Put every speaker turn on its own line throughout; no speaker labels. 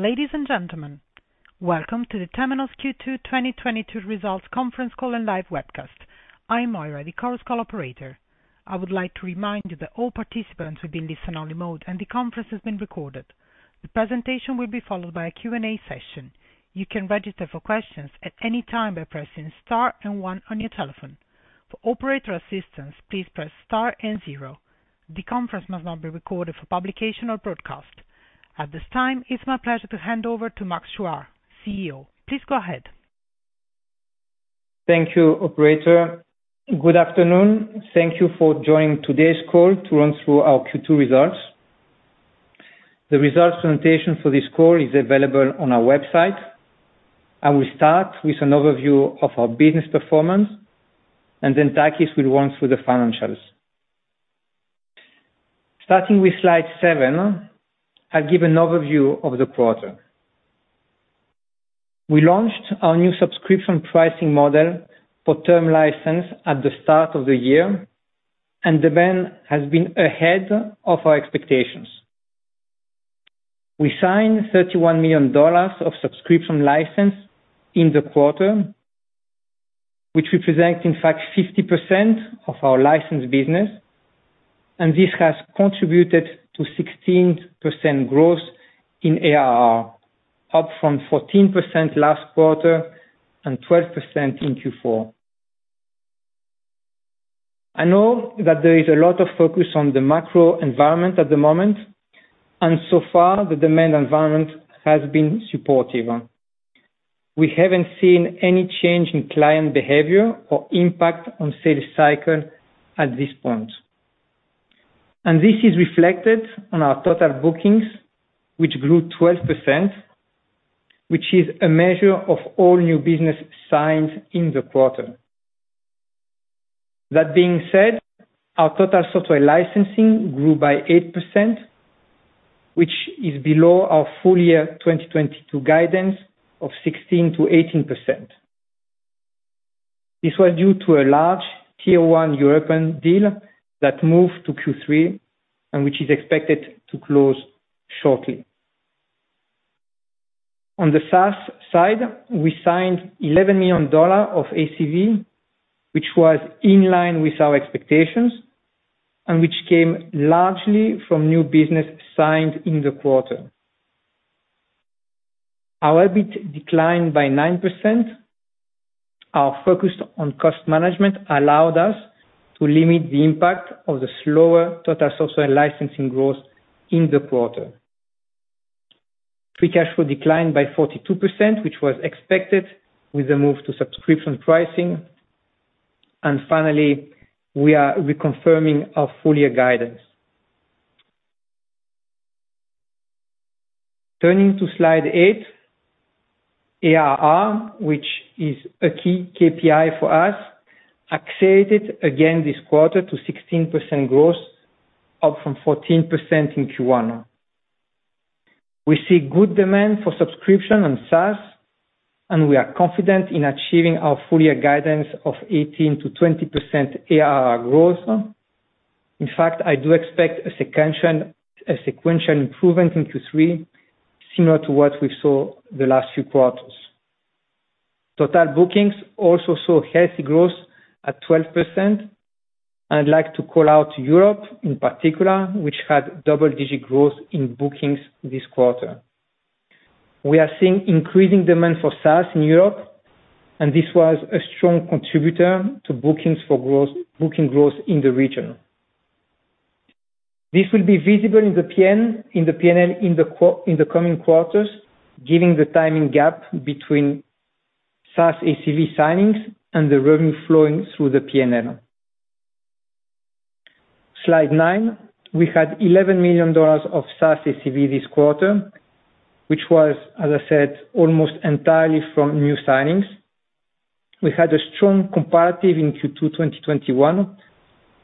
Ladies and gentlemen, welcome to the Temenos Q2 2022 Results Conference Call and Live Webcast. I am Moira, the Chorus Call operator. I would like to remind you that all participants will be in listen-only mode, and the conference is being recorded. The presentation will be followed by a Q&A session. You can register for questions at any time by pressing star and one on your telephone. For operator assistance, please press star and zero. The conference must not be recorded for publication or broadcast. At this time, it's my pleasure to hand over to Max Chuard, CEO. Please go ahead.
Thank you, operator. Good afternoon. Thank you for joining today's call to run through our Q2 results. The results presentation for this call is available on our website. I will start with an overview of our business performance, and then Takis will run through the financials. Starting with slide 7, I'll give an overview of the quarter. We launched our new subscription pricing model for term license at the start of the year, and demand has been ahead of our expectations. We signed $31 million of subscription license in the quarter, which represent, in fact, 50% of our license business, and this has contributed to 16% growth in ARR, up from 14% last quarter and 12% in Q4. I know that there is a lot of focus on the macro environment at the moment, and so far, the demand environment has been supportive. We haven't seen any change in client behavior or impact on sales cycle at this point. This is reflected on our total bookings, which grew 12%, which is a measure of all new business signed in the quarter. That being said, our total software licensing grew by 8%, which is below our full year 2022 guidance of 16%-18%. This was due to a large tier one European deal that moved to Q3 and which is expected to close shortly. On the SaaS side, we signed $11 million of ACV, which was in line with our expectations and which came largely from new business signed in the quarter. Our EBIT declined by 9%. Our focus on cost management allowed us to limit the impact of the slower total software licensing growth in the quarter. Free cash flow declined by 42%, which was expected with the move to subscription pricing. Finally, we are reconfirming our full year guidance. Turning to slide 8, ARR, which is a key KPI for us, accelerated again this quarter to 16% growth, up from 14% in Q1. We see good demand for subscription and SaaS, and we are confident in achieving our full year guidance of 18%-20% ARR growth. In fact, I do expect a sequential improvement in Q3, similar to what we saw the last few quarters. Total bookings also saw healthy growth at 12%. I'd like to call out Europe in particular, which had double-digit growth in bookings this quarter. We are seeing increasing demand for SaaS in Europe, and this was a strong contributor to booking growth in the region. This will be visible in the P&L in the coming quarters, given the timing gap between SaaS ACV signings and the revenue flowing through the P&L. Slide 9. We had $11 million of SaaS ACV this quarter, which was, as I said, almost entirely from new signings. We had a strong comparative in Q2 2021,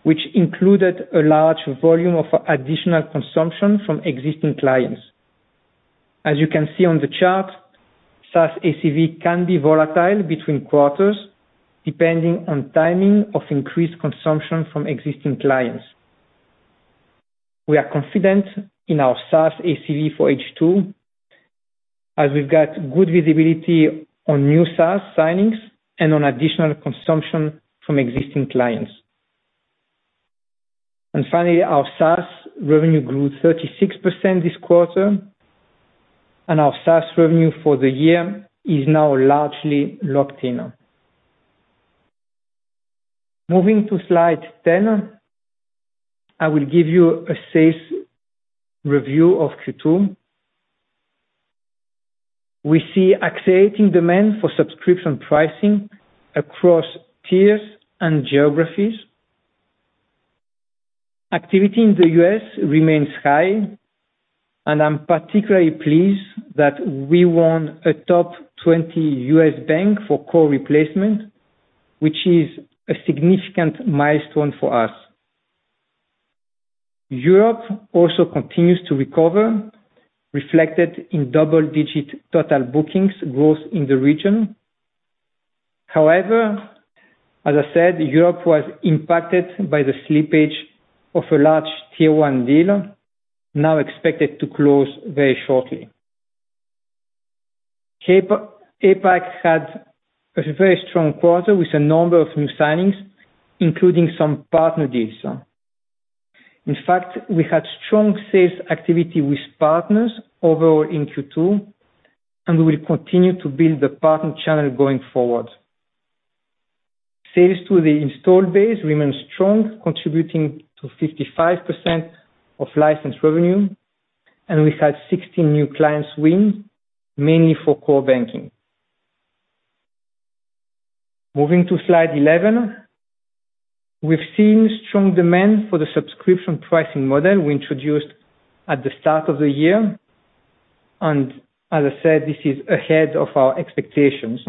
which included a large volume of additional consumption from existing clients. As you can see on the chart, SaaS ACV can be volatile between quarters depending on timing of increased consumption from existing clients. We are confident in our SaaS ACV for H2, as we've got good visibility on new SaaS signings and on additional consumption from existing clients. Finally, our SaaS revenue grew 36% this quarter, and our SaaS revenue for the year is now largely locked in. Moving to slide 10, I will give you a sales review of Q2. We see accelerating demand for subscription pricing across tiers and geographies. Activity in the U.S. remains high, and I'm particularly pleased that we won a top 20 U.S. bank for core replacement, which is a significant milestone for us. Europe also continues to recover, reflected in double-digit total bookings growth in the region. However, as I said, Europe was impacted by the slippage of a large tier one deal now expected to close very shortly. APAC had a very strong quarter with a number of new signings, including some partner deals. In fact, we had strong sales activity with partners overall in Q2, and we will continue to build the partner channel going forward. Sales to the installed base remains strong, contributing to 55% of licensed revenue, and we had 16 new clients win, mainly for core banking. Moving to slide 11. We've seen strong demand for the subscription pricing model we introduced at the start of the year. As I said, this is ahead of our expectations.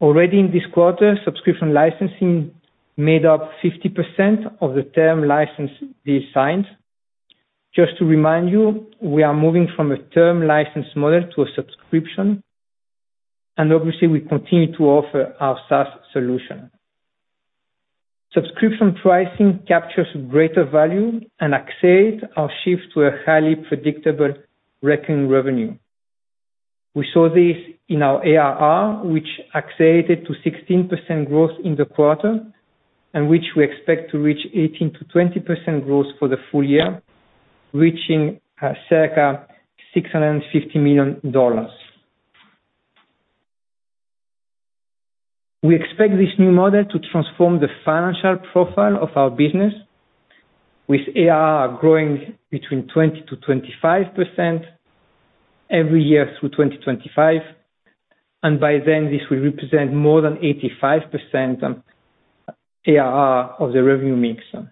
Already in this quarter, subscription licensing made up 50% of the term license deals signed. Just to remind you, we are moving from a term license model to a subscription, and obviously we continue to offer our SaaS solution. Subscription pricing captures greater value and accelerates our shift to a highly predictable recurring revenue. We saw this in our ARR, which accelerated to 16% growth in the quarter and which we expect to reach 18%-20% growth for the full year, reaching circa $650 million. We expect this new model to transform the financial profile of our business, with ARR growing between 20%-25% every year through 2025. By then this will represent more than 85% ARR of the revenue mix. The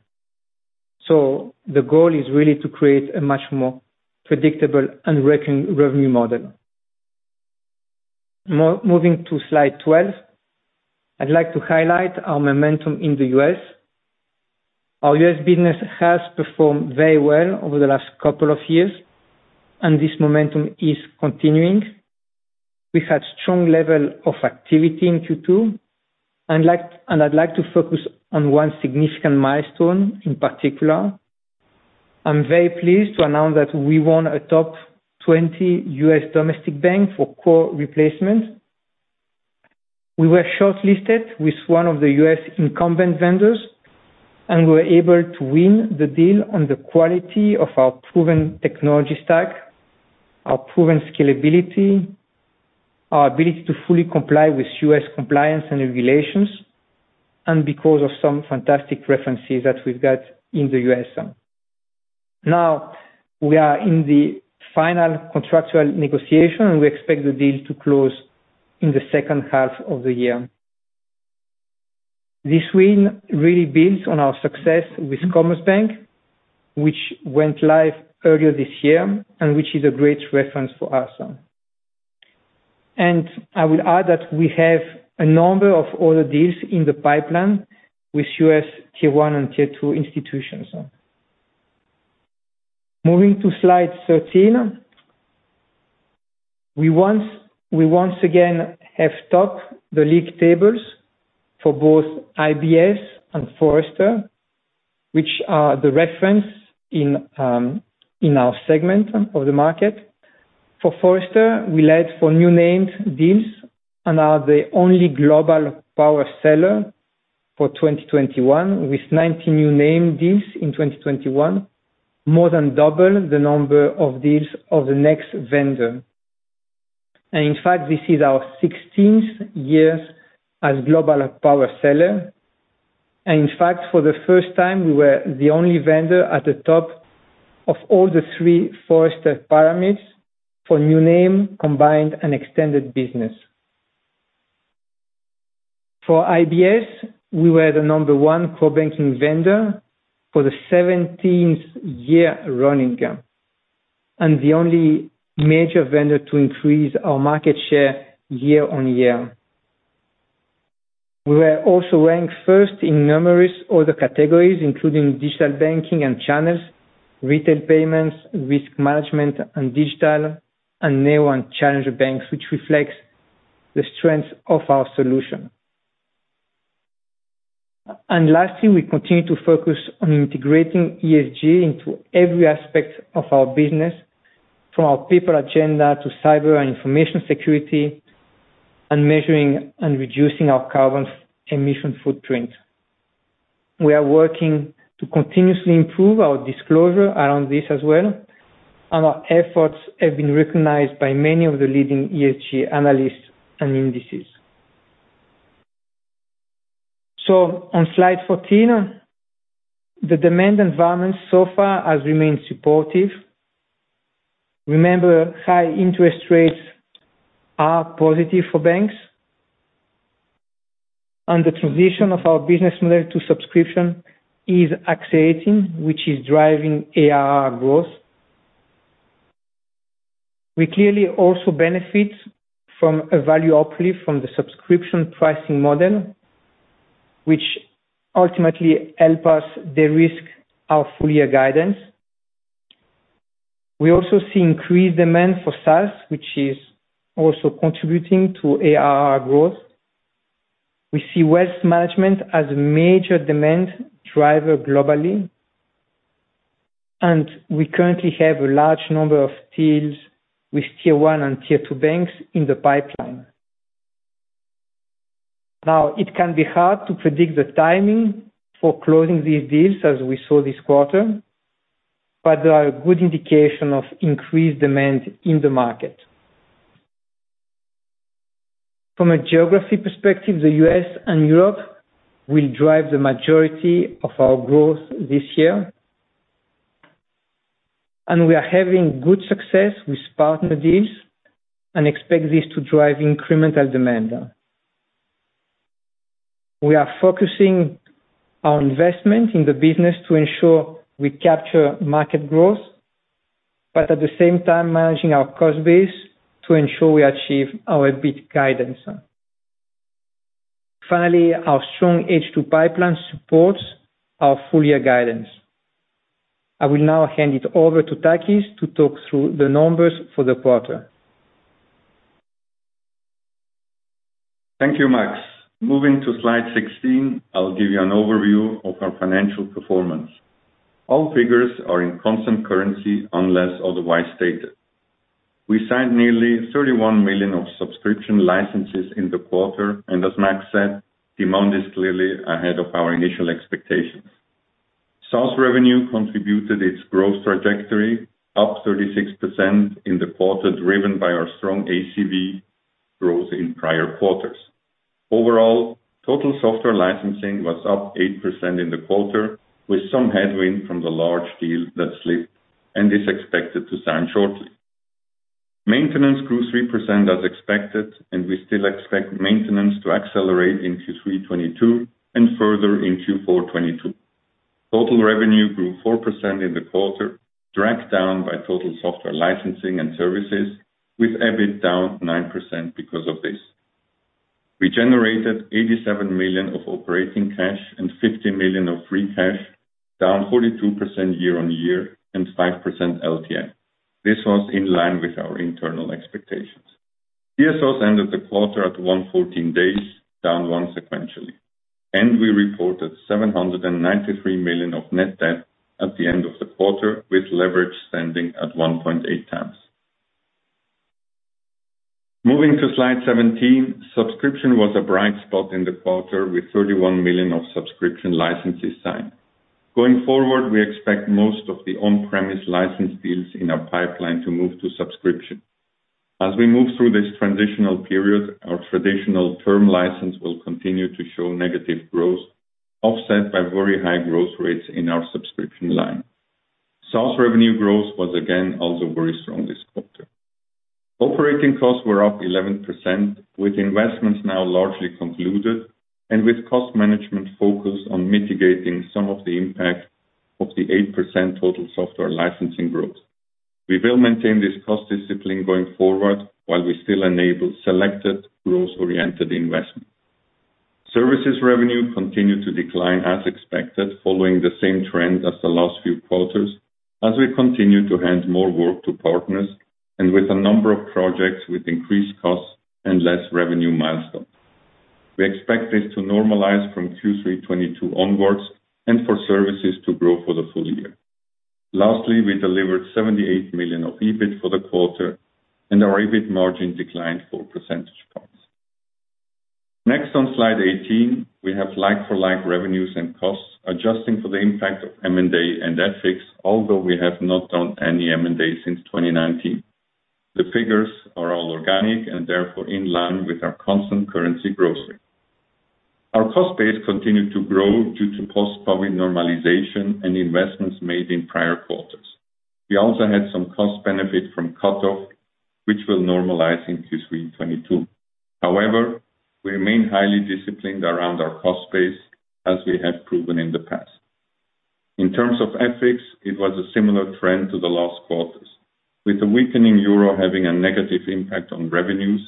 goal is really to create a much more predictable and recurring revenue model. Moving to slide 12. I'd like to highlight our momentum in the U.S. Our U.S. business has performed very well over the last couple of years and this momentum is continuing. We've had strong level of activity in Q2. I'd like to focus on one significant milestone in particular. I'm very pleased to announce that we won a top 20 U.S. domestic bank for core replacement. We were shortlisted with one of the U.S. incumbent vendors, and we were able to win the deal on the quality of our proven technology stack, our proven scalability, our ability to fully comply with U.S. compliance and regulations, and because of some fantastic references that we've got in the U.S. Now, we are in the final contractual negotiation, and we expect the deal to close in the second half of the year. This win really builds on our success with Commerce Bank, which went live earlier this year, and which is a great reference for us. I would add that we have a number of other deals in the pipeline with U.S. tier 1 and tier 2 institutions. Moving to slide 13. We once again have topped the league tables for both IBS and Forrester, which are the reference in our segment of the market. For Forrester, we led for new name deals and are the only global power seller for 2021, with 90 new name deals in 2021, more than double the number of deals of the next vendor. In fact, this is our sixteenth year as global power seller. In fact, for the first time we were the only vendor at the top of all the three Forrester pyramids for new name, combined, and extended business. For IBS, we were the number one core banking vendor for the seventeenth year running and the only major vendor to increase our market share year-on-year. We were also ranked first in numerous other categories, including digital banking and channels, retail payments, risk management and digital, and neo-banks and challenger banks, which reflects the strength of our solution. Lastly, we continue to focus on integrating ESG into every aspect of our business, from our people agenda, to cyber and information security, and measuring and reducing our carbon emission footprint. We are working to continuously improve our disclosure around this as well, and our efforts have been recognized by many of the leading ESG analysts and indices. On slide 14, the demand environment so far has remained supportive. Remember, high interest rates are positive for banks, and the transition of our business model to subscription is accelerating, which is driving ARR growth. We clearly also benefit from a value uplift from the subscription pricing model, which ultimately help us de-risk our full year guidance. We also see increased demand for SaaS, which is also contributing to ARR growth. We see wealth management as a major demand driver globally, and we currently have a large number of deals with tier one and tier two banks in the pipeline. Now, it can be hard to predict the timing for closing these deals, as we saw this quarter, but there are good indication of increased demand in the market. From a geography perspective, the U.S. and Europe will drive the majority of our growth this year. We are having good success with partner deals and expect this to drive incremental demand. We are focusing our investment in the business to ensure we capture market growth, but at the same time managing our cost base to ensure we achieve our EBIT guidance. Finally, our strong H2 pipeline supports our full year guidance. I will now hand it over to Takis to talk through the numbers for the quarter.
Thank you, Max. Moving to slide 16, I'll give you an overview of our financial performance. All figures are in constant currency unless otherwise stated. We signed nearly $31 million of subscription licenses in the quarter, and as Max said, demand is clearly ahead of our initial expectations. SaaS revenue contributed its growth trajectory up 36% in the quarter, driven by our strong ACV growth in prior quarters. Overall, total software licensing was up 8% in the quarter, with some headwind from the large deal that slipped and is expected to sign shortly. Maintenance grew 3% as expected, and we still expect maintenance to accelerate in Q3 2022 and further in Q4 2022. Total revenue grew 4% in the quarter, dragged down by total software licensing and services, with EBIT down 9% because of this. We generated $87 million of operating cash and $50 million of free cash, down 42% year-over-year and 5% LTM. This was in line with our internal expectations. DSOs ended the quarter at 114 days, down 1 sequentially. We reported $793 million of net debt at the end of the quarter, with leverage standing at 1.8x. Moving to slide 17, subscription was a bright spot in the quarter with $31 million of subscription licenses signed. Going forward, we expect most of the on-premise license deals in our pipeline to move to subscription. As we move through this transitional period, our traditional term license will continue to show negative growth, offset by very high growth rates in our subscription line. SaaS revenue growth was again also very strong this quarter. Operating costs were up 11%, with investments now largely concluded and with cost management focused on mitigating some of the impact of the 8% total software licensing growth. We will maintain this cost discipline going forward while we still enable selected growth-oriented investment. Services revenue continued to decline as expected, following the same trend as the last few quarters as we continue to hand more work to partners and with a number of projects with increased costs and less revenue milestones. We expect this to normalize from Q3 2022 onwards and for services to grow for the full year. Lastly, we delivered $78 million of EBIT for the quarter and our EBIT margin declined 4 percentage points. Next on slide 18, we have like-for-like revenues and costs, adjusting for the impact of M&A and FX, although we have not done any M&A since 2019. The figures are all organic and therefore in line with our constant currency growth rate. Our cost base continued to grow due to post-COVID normalization and investments made in prior quarters. We also had some cost benefit from cut-off, which will normalize in Q3 2022. However, we remain highly disciplined around our cost base as we have proven in the past. In terms of FX, it was a similar trend to the last quarters, with the weakening euro having a negative impact on revenues,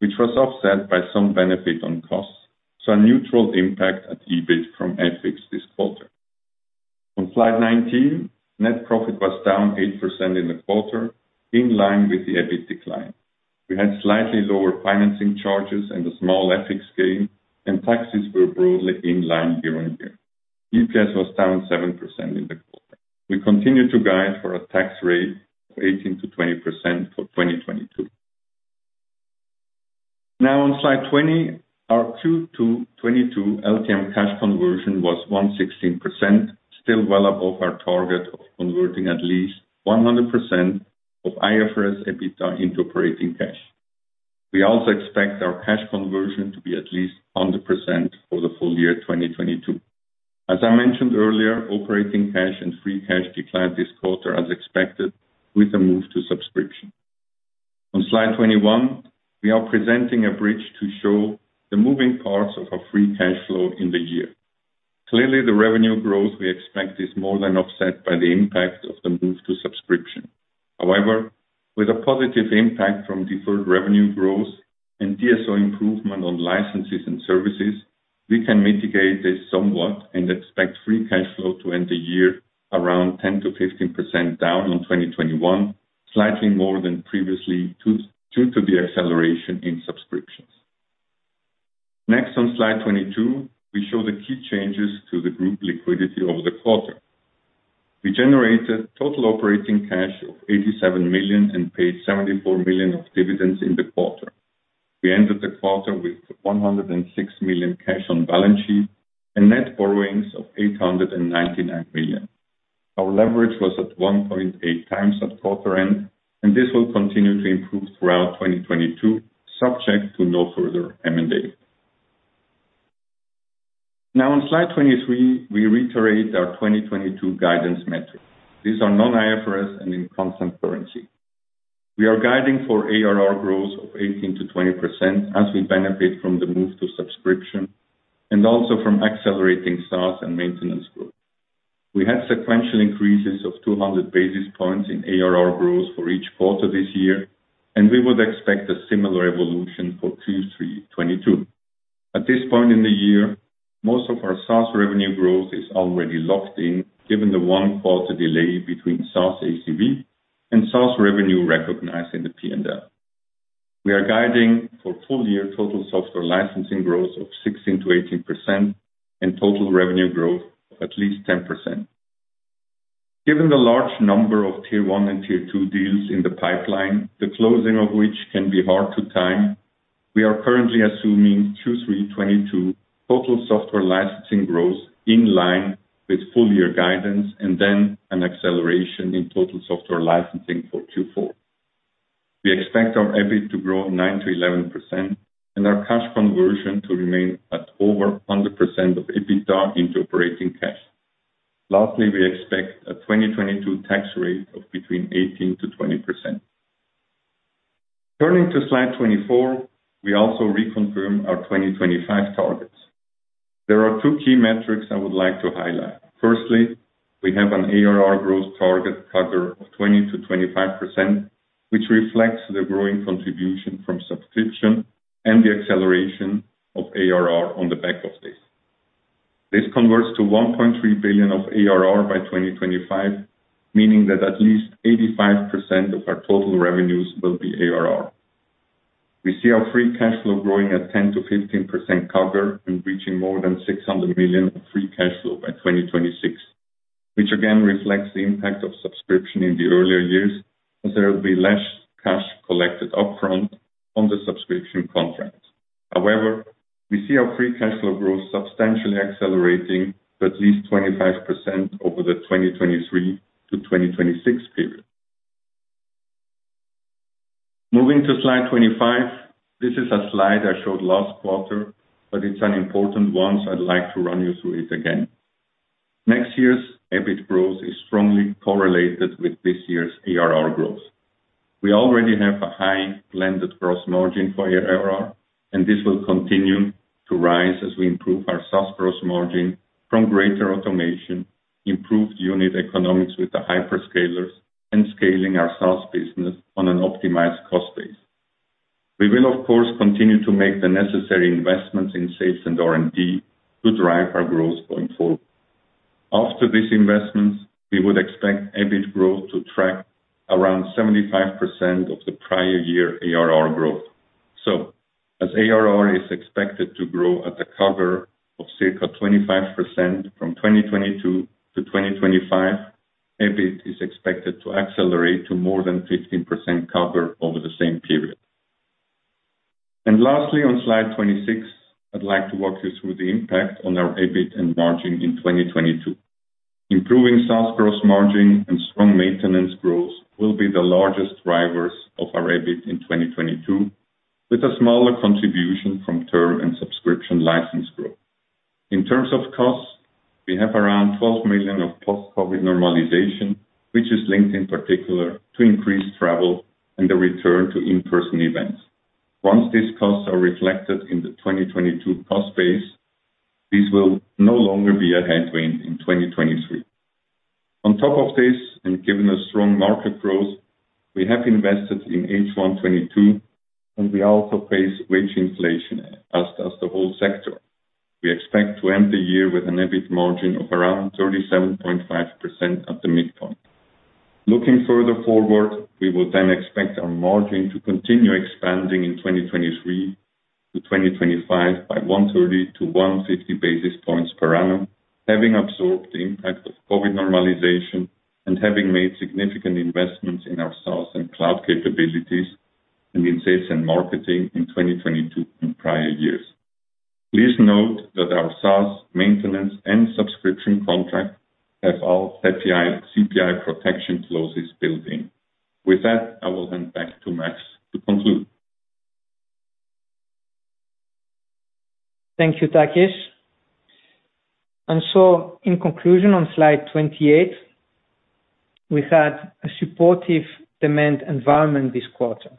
which was offset by some benefit on costs, so a neutral impact at EBIT from FX this quarter. On slide 19, net profit was down 8% in the quarter, in line with the EBIT decline. We had slightly lower financing charges and a small FX gain, and taxes were broadly in line year-on-year. EPS was down 7% in the quarter. We continue to guide for a tax rate of 18%-20% for 2022. Now on slide 20, our Q2 2022 LTM cash conversion was 116%, still well above our target of converting at least 100% of IFRS EBITDA into operating cash. We also expect our cash conversion to be at least 100% for the full year 2022. As I mentioned earlier, operating cash and free cash declined this quarter as expected with the move to subscription. On slide 21, we are presenting a bridge to show the moving parts of our free cash flow in the year. Clearly, the revenue growth we expect is more than offset by the impact of the move to subscription. However, with a positive impact from deferred revenue growth and DSO improvement on licenses and services. We can mitigate this somewhat and expect free cash flow to end the year around 10%-15% down on 2021, slightly more than previously, due to the acceleration in subscriptions. Next on slide 22, we show the key changes to the group liquidity over the quarter. We generated total operating cash of $87 million and paid $74 million of dividends in the quarter. We ended the quarter with $106 million cash on balance sheet and net borrowings of $899 million. Our leverage was at 1.8x at quarter end, and this will continue to improve throughout 2022, subject to no further M&A. Now on slide 23, we reiterate our 2022 guidance metrics. These are non-IFRS and in constant currency. We are guiding for ARR growth of 18%-20% as we benefit from the move to subscription and also from accelerating SaaS and maintenance growth. We had sequential increases of 200 basis points in ARR growth for each quarter this year, and we would expect a similar evolution for Q3 2022. At this point in the year, most of our SaaS revenue growth is already locked in, given the one-quarter delay between SaaS ACV and SaaS revenue recognized in the P&L. We are guiding for full year total software licensing growth of 16%-18% and total revenue growth of at least 10%. Given the large number of tier one and tier two deals in the pipeline, the closing of which can be hard to time, we are currently assuming Q3 2022 total software licensing growth in line with full year guidance and then an acceleration in total software licensing for Q4. We expect our EBIT to grow 9%-11% and our cash conversion to remain at over 100% of EBITDA into operating cash. Lastly, we expect a 2022 tax rate of between 18%-20%. Turning to slide 24, we also reconfirm our 2025 targets. There are two key metrics I would like to highlight. Firstly, we have an ARR growth target cover of 20%-25%, which reflects the growing contribution from subscription and the acceleration of ARR on the back of this. This converts to $1.3 billion of ARR by 2025, meaning that at least 85% of our total revenues will be ARR. We see our free cash flow growing at 10%-15% CAGR and reaching more than $600 million of free cash flow by 2026, which again reflects the impact of subscription in the earlier years, as there will be less cash collected up front on the subscription contract. However, we see our free cash flow growth substantially accelerating to at least 25% over the 2023-2026 period. Moving to slide 25. This is a slide I showed last quarter, but it's an important one, so I'd like to run you through it again. Next year's EBIT growth is strongly correlated with this year's ARR growth. We already have a high blended gross margin for ARR, and this will continue to rise as we improve our SaaS gross margin from greater automation, improved unit economics with the hyperscalers, and scaling our SaaS business on an optimized cost base. We will, of course, continue to make the necessary investments in sales and R&D to drive our growth going forward. After these investments, we would expect EBIT growth to track around 75% of the prior year ARR growth. As ARR is expected to grow at a CAGR of circa 25% from 2022 to 2025, EBIT is expected to accelerate to more than 15% CAGR over the same period. Lastly, on slide 26, I'd like to walk you through the impact on our EBIT and margin in 2022. Improving SaaS gross margin and strong maintenance growth will be the largest drivers of our EBIT in 2022, with a smaller contribution from [TUR] and subscription license growth. In terms of costs, we have around $12 million of post-COVID normalization, which is linked in particular to increased travel and the return to in-person events. Once these costs are reflected in the 2022 cost base, these will no longer be a headwind in 2023. On top of this, and given the strong market growth, we have invested in H1 2022, and we also face wage inflation, as does the whole sector. We expect to end the year with an EBIT margin of around 37.5% at the midpoint. Looking further forward, we would then expect our margin to continue expanding in 2023-2025 by 130-150 basis points per annum, having absorbed the impact of COVID normalization and having made significant investments in our SaaS and cloud capabilities and in sales and marketing in 2022 and prior years. Please note that our SaaS maintenance and subscription contracts have all CPI protection clauses built in. With that, I will hand back to Max to conclude.
Thank you, Takis. In conclusion, on slide 28, we've had a supportive demand environment this quarter,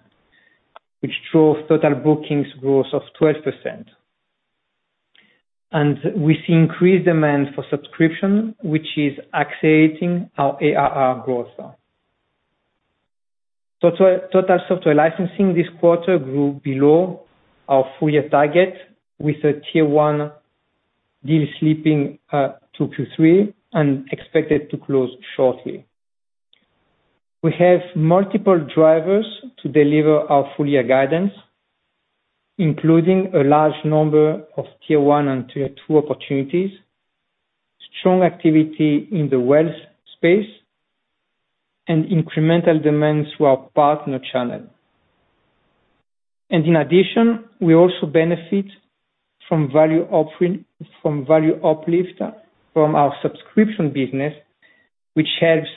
which drove total bookings growth of 12%. We see increased demand for subscription, which is accelerating our ARR growth. Total software licensing this quarter grew below our full year target with a tier one deal slipping to Q3 and expected to close shortly. We have multiple drivers to deliver our full year guidance, including a large number of tier one and tier two opportunities, strong activity in the wealth space, and incremental demands through our partner channel. In addition, we also benefit from value uplift from our subscription business, which helps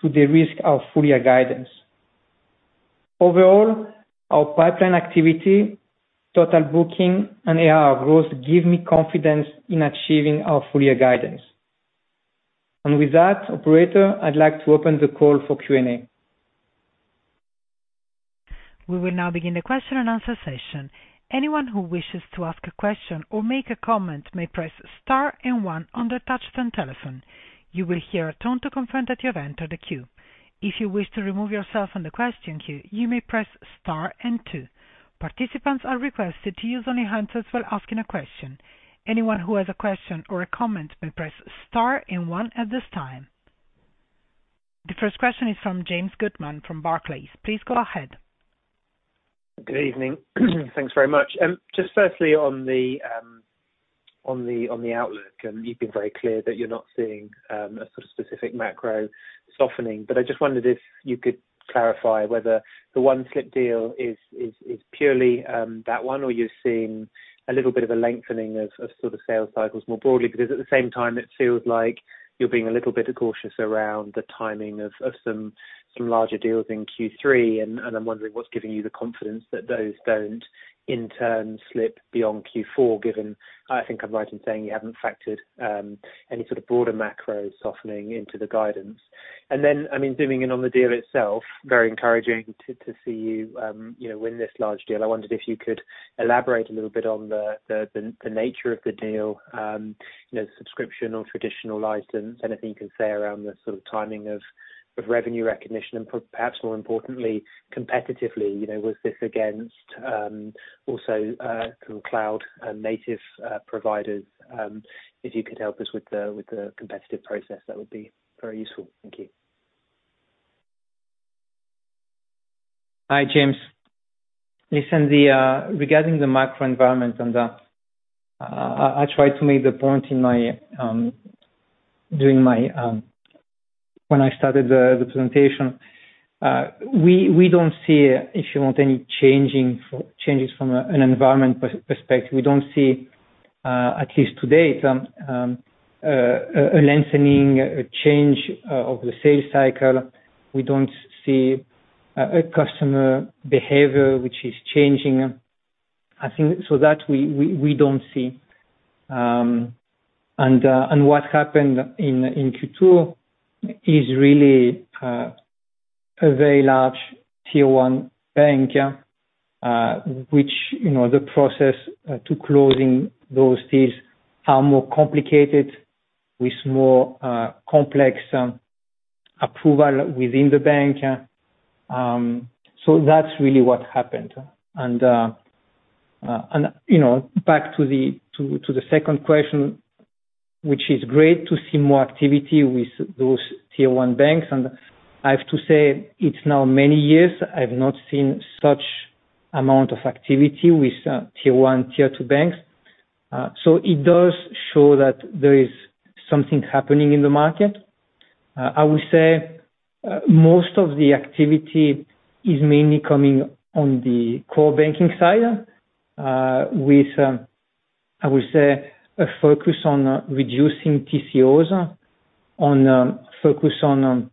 to de-risk our full year guidance. Overall, our pipeline activity, total booking, and ARR growth give me confidence in achieving our full year guidance. With that, operator, I'd like to open the call for Q&A.
We will now begin the question and answer session. Anyone who wishes to ask a question or make a comment may press star and one on their touchtone telephone. You will hear a tone to confirm that you have entered the queue. If you wish to remove yourself from the question queue, you may press star and two. Participants are requested to use only handsets while asking a question. Anyone who has a question or a comment may press star and one at this time. The first question is from James Goodman from Barclays. Please go ahead.
Good evening. Thanks very much. Just firstly on the outlook, you've been very clear that you're not seeing a sort of specific macro softening, but I just wondered if you could clarify whether the one slip deal is purely that one or you're seeing a little bit of a lengthening of sort of sales cycles more broadly. Because at the same time it feels like you're being a little bit cautious around the timing of some larger deals in Q3. I'm wondering what's giving you the confidence that those don't in turn slip beyond Q4, given I think I'm right in saying you haven't factored any sort of broader macro softening into the guidance. I mean, zooming in on the deal itself, very encouraging to see you know, win this large deal. I wondered if you could elaborate a little bit on the nature of the deal, you know, subscription or traditional license. Anything you can say around the sort of timing of revenue recognition and perhaps more importantly, competitively, you know, was this against also sort of cloud native providers? If you could help us with the competitive process that would be very useful. Thank you.
Hi, James. Listen, regarding the macro environment and, I tried to make the point in my when I started the presentation. We don't see if you want any changes from an environment perspective. We don't see, at least to date, a lengthening, a change, of the sales cycle. We don't see a customer behavior which is changing. I think so that we don't see, and what happened in Q2 is really a very large tier one bank, which, you know, the process to closing those deals are more complicated with more complex approval within the bank. That's really what happened. You know, back to the second question, which is great to see more activity with those tier one banks. I have to say it's now many years I've not seen such amount of activity with tier one, tier two banks. It does show that there is something happening in the market. I would say most of the activity is mainly coming on the core banking side with I would say a focus on reducing TCOs, focus on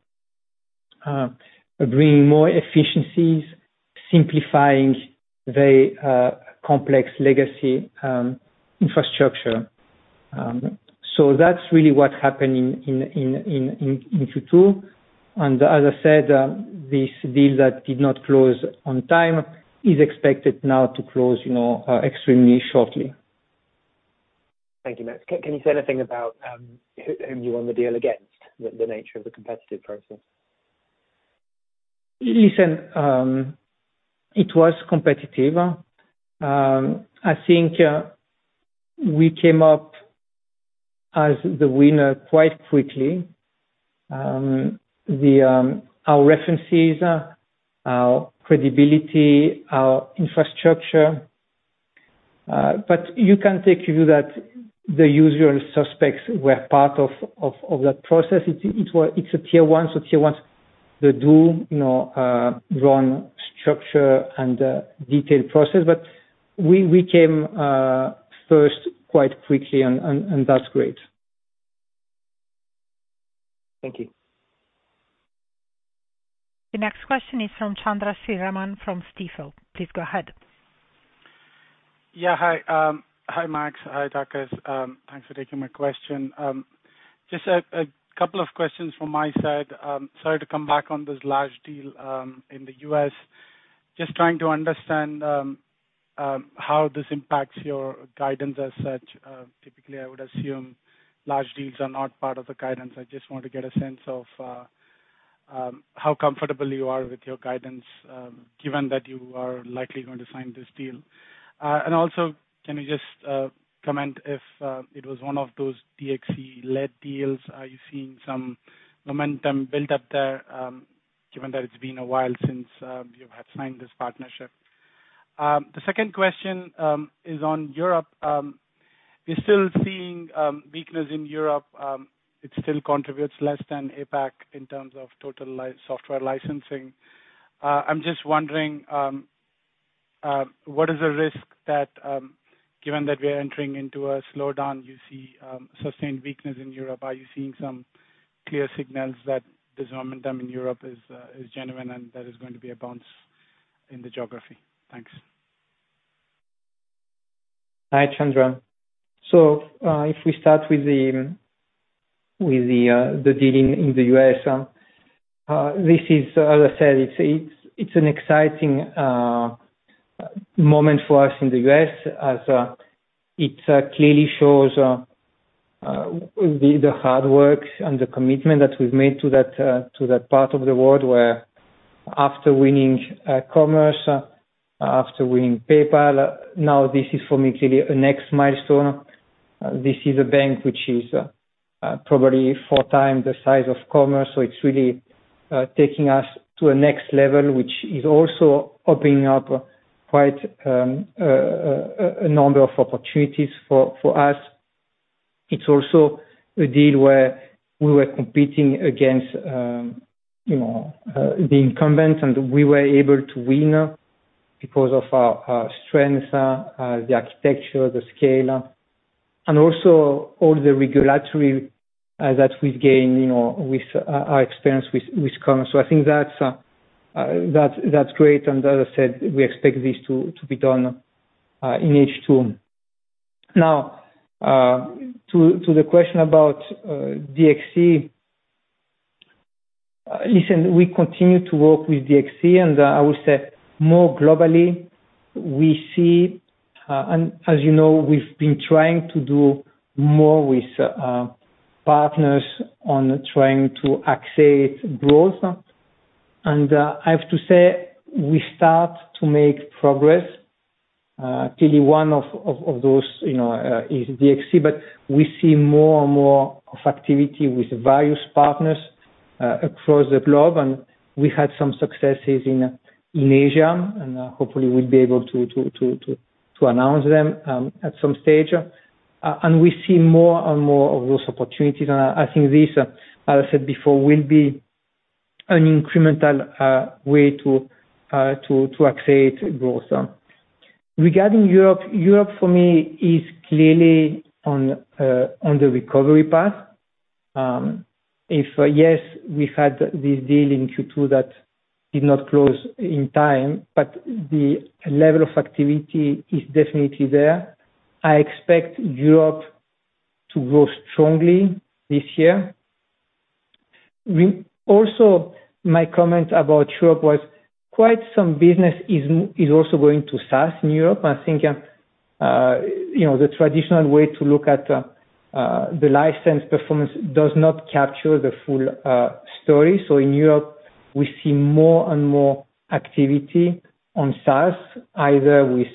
bringing more efficiencies, simplifying very complex legacy infrastructure. That's really what happened in Q2. As I said, this deal that did not close on time is expected now to close, you know, extremely shortly.
Thank you, Max. Can you say anything about whom you won the deal against? The nature of the competitive process.
Listen, it was competitive. I think we came up as the winner quite quickly. Our references, our credibility, our infrastructure, but you can take the view that the usual suspects were part of that process. It was a Tier 1, so Tier 1s they do, you know, run structured and detailed process. We came first quite quickly and that's great.
Thank you.
The next question is from Chandramouli Sriraman from Stifel. Please go ahead.
Yeah. Hi, Max. Hi, Takis. Thanks for taking my question. Just a couple of questions from my side. Sorry to come back on this large deal in the U.S. Just trying to understand how this impacts your guidance as such. Typically, I would assume large deals are not part of the guidance. I just want to get a sense of how comfortable you are with your guidance, given that you are likely going to sign this deal. Also, can you just comment if it was one of those DXC-led deals? Are you seeing some momentum build up there, given that it's been a while since you have signed this partnership? The second question is on Europe. We're still seeing weakness in Europe. It still contributes less than APAC in terms of total software licensing. I'm just wondering, what is the risk that, given that we are entering into a slowdown, you see, sustained weakness in Europe, are you seeing some clear signals that this momentum in Europe is genuine, and there is going to be a bounce in the geography? Thanks.
Hi, Chandra Sriraman. If we start with the deal in the US, this is, as I said, it's an exciting moment for us in the US, as it clearly shows with the hard work and the commitment that we've made to that part of the world where after winning Commerce Bank, after winning PayPal, now this is for me, clearly a next milestone. This is a bank which is probably 4 times the size of Commerce Bank, so it's really taking us to a next level, which is also opening up quite a number of opportunities for us. It's also a deal where we were competing against, you know, the incumbents, and we were able to win because of our strengths, the architecture, the scale, and also all the regulatory that we've gained, you know, with our experience with Commerce. I think that's great. As I said, we expect this to be done in H2. Now, to the question about DXC. Listen, we continue to work with DXC and I would say more globally we see, and as you know, we've been trying to do more with partners on trying to access growth. I have to say, we start to make progress. Clearly one of those, you know, is DXC, but we see more and more of activity with various partners across the globe. We had some successes in Asia, and hopefully we'll be able to announce them at some stage. We see more and more of those opportunities. I think this, as I said before, will be an incremental way to accelerate growth. Regarding Europe, for me is clearly on the recovery path. We've had this deal in Q2 that did not close in time, but the level of activity is definitely there. I expect Europe to grow strongly this year. Also, my comment about Europe was quite some business is also going to SaaS in Europe. I think, you know, the traditional way to look at the license performance does not capture the full story. In Europe, we see more and more activity on SaaS, either with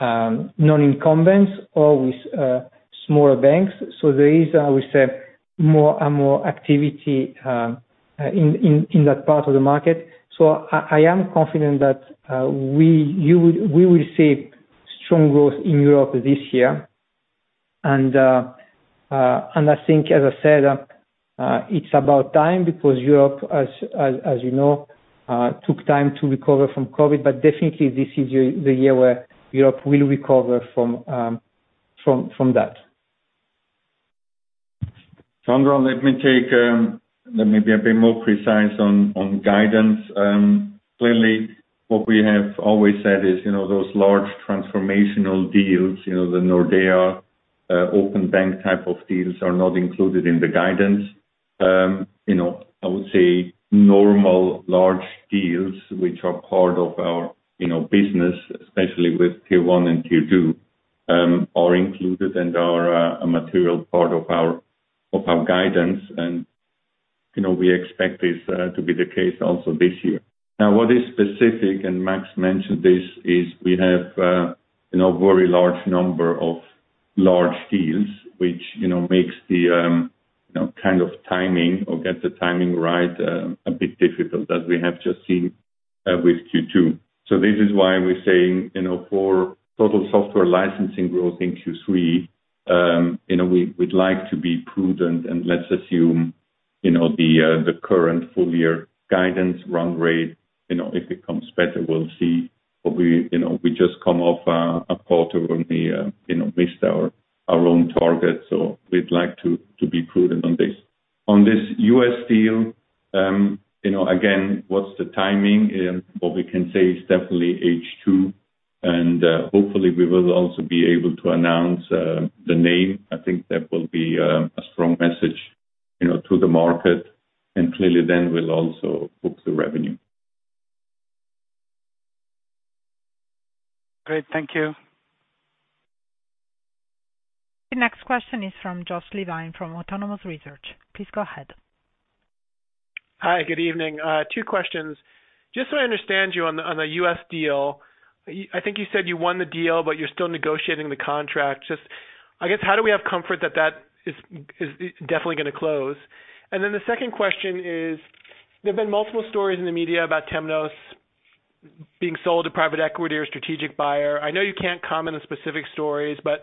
non-incumbents or with smaller banks. There is, I would say, more and more activity in that part of the market. I am confident that we will see strong growth in Europe this year. I think, as I said, it's about time because Europe as you know took time to recover from COVID, but definitely this is the year where Europe will recover from that.
Chandra, let me be a bit more precise on guidance. Clearly what we have always said is, you know, those large transformational deals, you know, the Nordea, Open Banking type of deals are not included in the guidance. You know, I would say normal large deals, which are part of our, you know, business, especially with tier one and tier two, are included and are a material part of our guidance. You know, we expect this to be the case also this year. Now, what is specific, and Max mentioned this, is we have a very large number of large deals which, you know, makes the kind of timing or getting the timing right a bit difficult as we have just seen with Q2. This is why we're saying, you know, for total software licensing growth in Q3, you know, we'd like to be prudent and let's assume, you know, the current full year guidance run rate, you know, if it comes better, we'll see. We, you know, just come off a quarter when we, you know, missed our own target. We'd like to be prudent on this. On this US deal, you know, again, what's the timing? What we can say is definitely H2 and, hopefully we will also be able to announce the name. I think that will be a strong message.
You know, to the market, and clearly then we'll also book the revenue.
Great. Thank you.
The next question is from Josh Levin from Autonomous Research. Please go ahead.
Hi, good evening. Two questions. Just so I understand you on the U.S. deal, I think you said you won the deal, but you're still negotiating the contract. Just, I guess, how do we have comfort that that is definitely gonna close? The second question is, there have been multiple stories in the media about Temenos being sold to private equity or strategic buyer. I know you can't comment on specific stories, but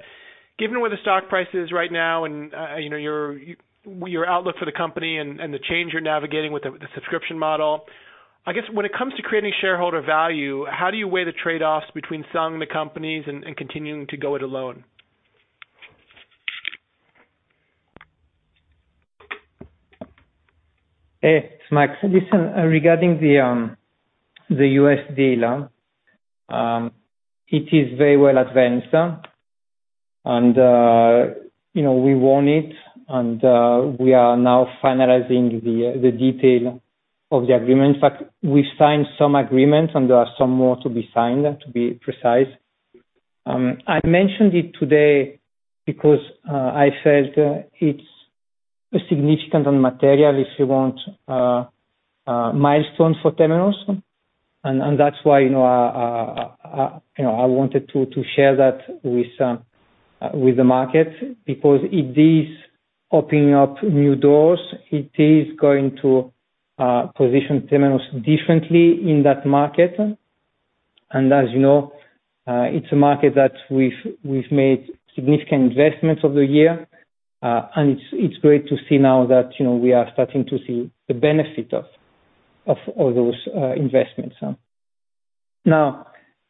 given where the stock price is right now and, you know, your outlook for the company and the change you're navigating with the subscription model, I guess when it comes to creating shareholder value, how do you weigh the trade-offs between selling the company and continuing to go it alone?
Hey, it's Max. Listen, regarding the US deal, it is very well advanced. You know, we want it, and we are now finalizing the detail of the agreement. In fact, we signed some agreements, and there are some more to be signed, to be precise. I mentioned it today because I felt it's a significant and material, if you want, milestone for Temenos. That's why, you know, I wanted to share that with the market. Because it is opening up new doors. It is going to position Temenos differently in that market. As you know, it's a market that we've made significant investments over the year. It's great to see now that, you know, we are starting to see the benefit of all those investments. Now,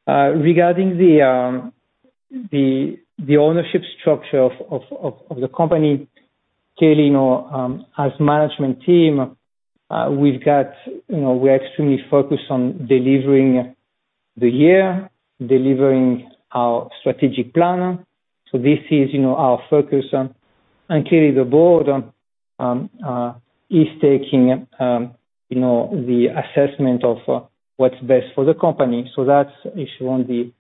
regarding the ownership structure of the company. Clearly, you know, as management team, you know, we are extremely focused on delivering this year, delivering our strategic plan. This is, you know, our focus. Clearly the board is taking, you know, the assessment of what's best for the company. That's, if you want, the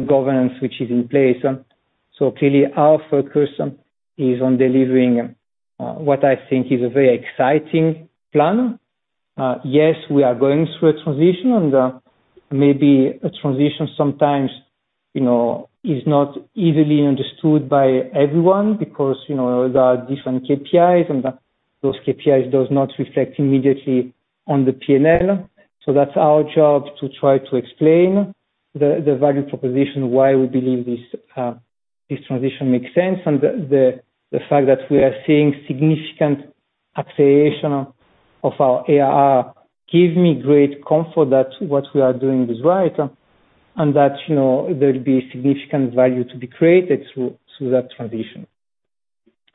governance which is in place. Clearly, our focus is on delivering what I think is a very exciting plan. Yes, we are going through a transition, and maybe a transition sometimes, you know, is not easily understood by everyone because, you know, there are different KPIs, and those KPIs does not reflect immediately on the P&L. That's our job, to try to explain the value proposition of why we believe this transition makes sense. The fact that we are seeing significant acceleration of our ARR gives me great comfort that what we are doing is right and that, you know, there'll be significant value to be created through that transition.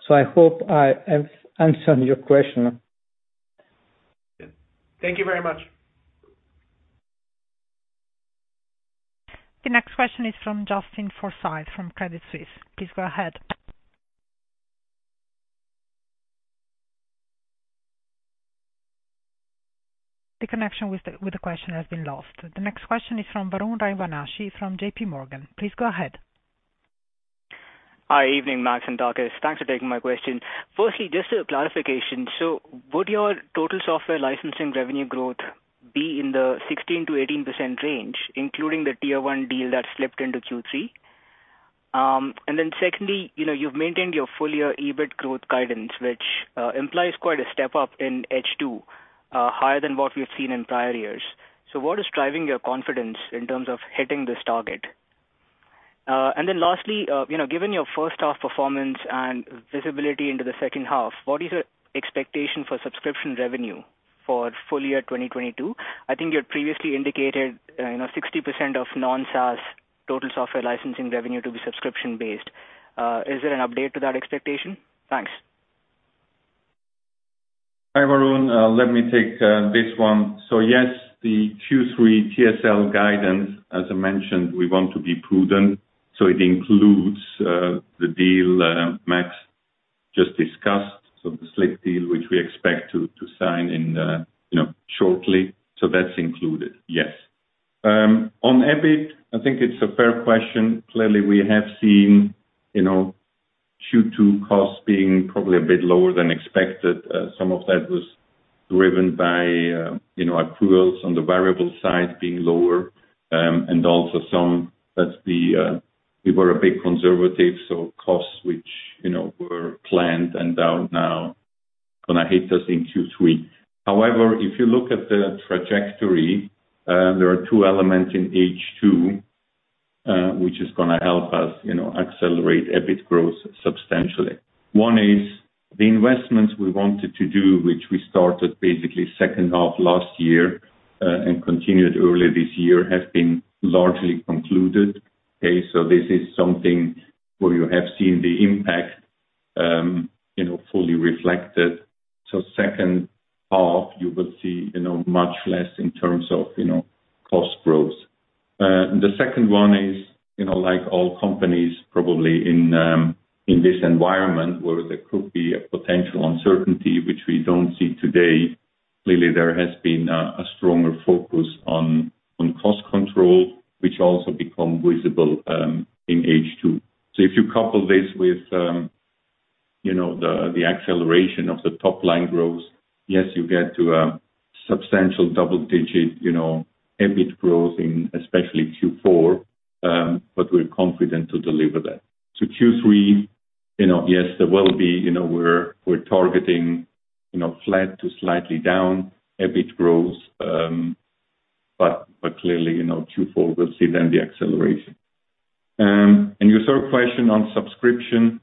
I hope I have answered your question.
Thank you very much.
The next question is from Justin Forsythe from Credit Suisse. Please go ahead. The connection with the question has been lost. The next question is from Varun Rajwanshi from J.P. Morgan. Please go ahead.
Hi, evening, Max and Takis. Thanks for taking my question. Firstly, just a clarification. Would your total software licensing revenue growth be in the 16%-18% range, including the Tier 1 deal that slipped into Q3? And then secondly, you know, you've maintained your full year EBIT growth guidance, which implies quite a step up in H2, higher than what we've seen in prior years. What is driving your confidence in terms of hitting this target? And then lastly, you know, given your first half performance and visibility into the second half, what is your expectation for subscription revenue for full year 2022? I think you had previously indicated, you know, 60% of non-SaaS total software licensing revenue to be subscription-based. Is there an update to that expectation? Thanks.
Hi, Varun. Let me take this one. Yes, the Q3 TSL guidance, as I mentioned, we want to be prudent, so it includes the deal Max just discussed. The slip deal, which we expect to sign in you know shortly. That's included, yes. On EBIT, I think it's a fair question. Clearly, we have seen you know Q2 costs being probably a bit lower than expected. Some of that was driven by you know approvals on the variable side being lower. And also some that's the we were a bit conservative, so costs which you know were planned and are now gonna hit us in Q3. However, if you look at the trajectory, there are two elements in H2 which is gonna help us you know accelerate EBIT growth substantially. One is the investments we wanted to do, which we started basically second half last year, and continued early this year, have been largely concluded. Okay. This is something where you have seen the impact, you know, fully reflected. Second half you will see, you know, much less in terms of, you know, cost growth. The second one is, you know, like all companies probably in this environment where there could be a potential uncertainty, which we don't see today. Clearly, there has been a stronger focus on cost control, which also became visible in H2. If you couple this with you know, the acceleration of the top line growth, yes, you get to a substantial double-digit you know, EBIT growth in especially Q4. We're confident to deliver that. Q3, you know, yes, there will be you know, we're targeting you know, flat to slightly down EBIT growth. Clearly, you know, Q4 we'll see then the acceleration. Your third question on subscription.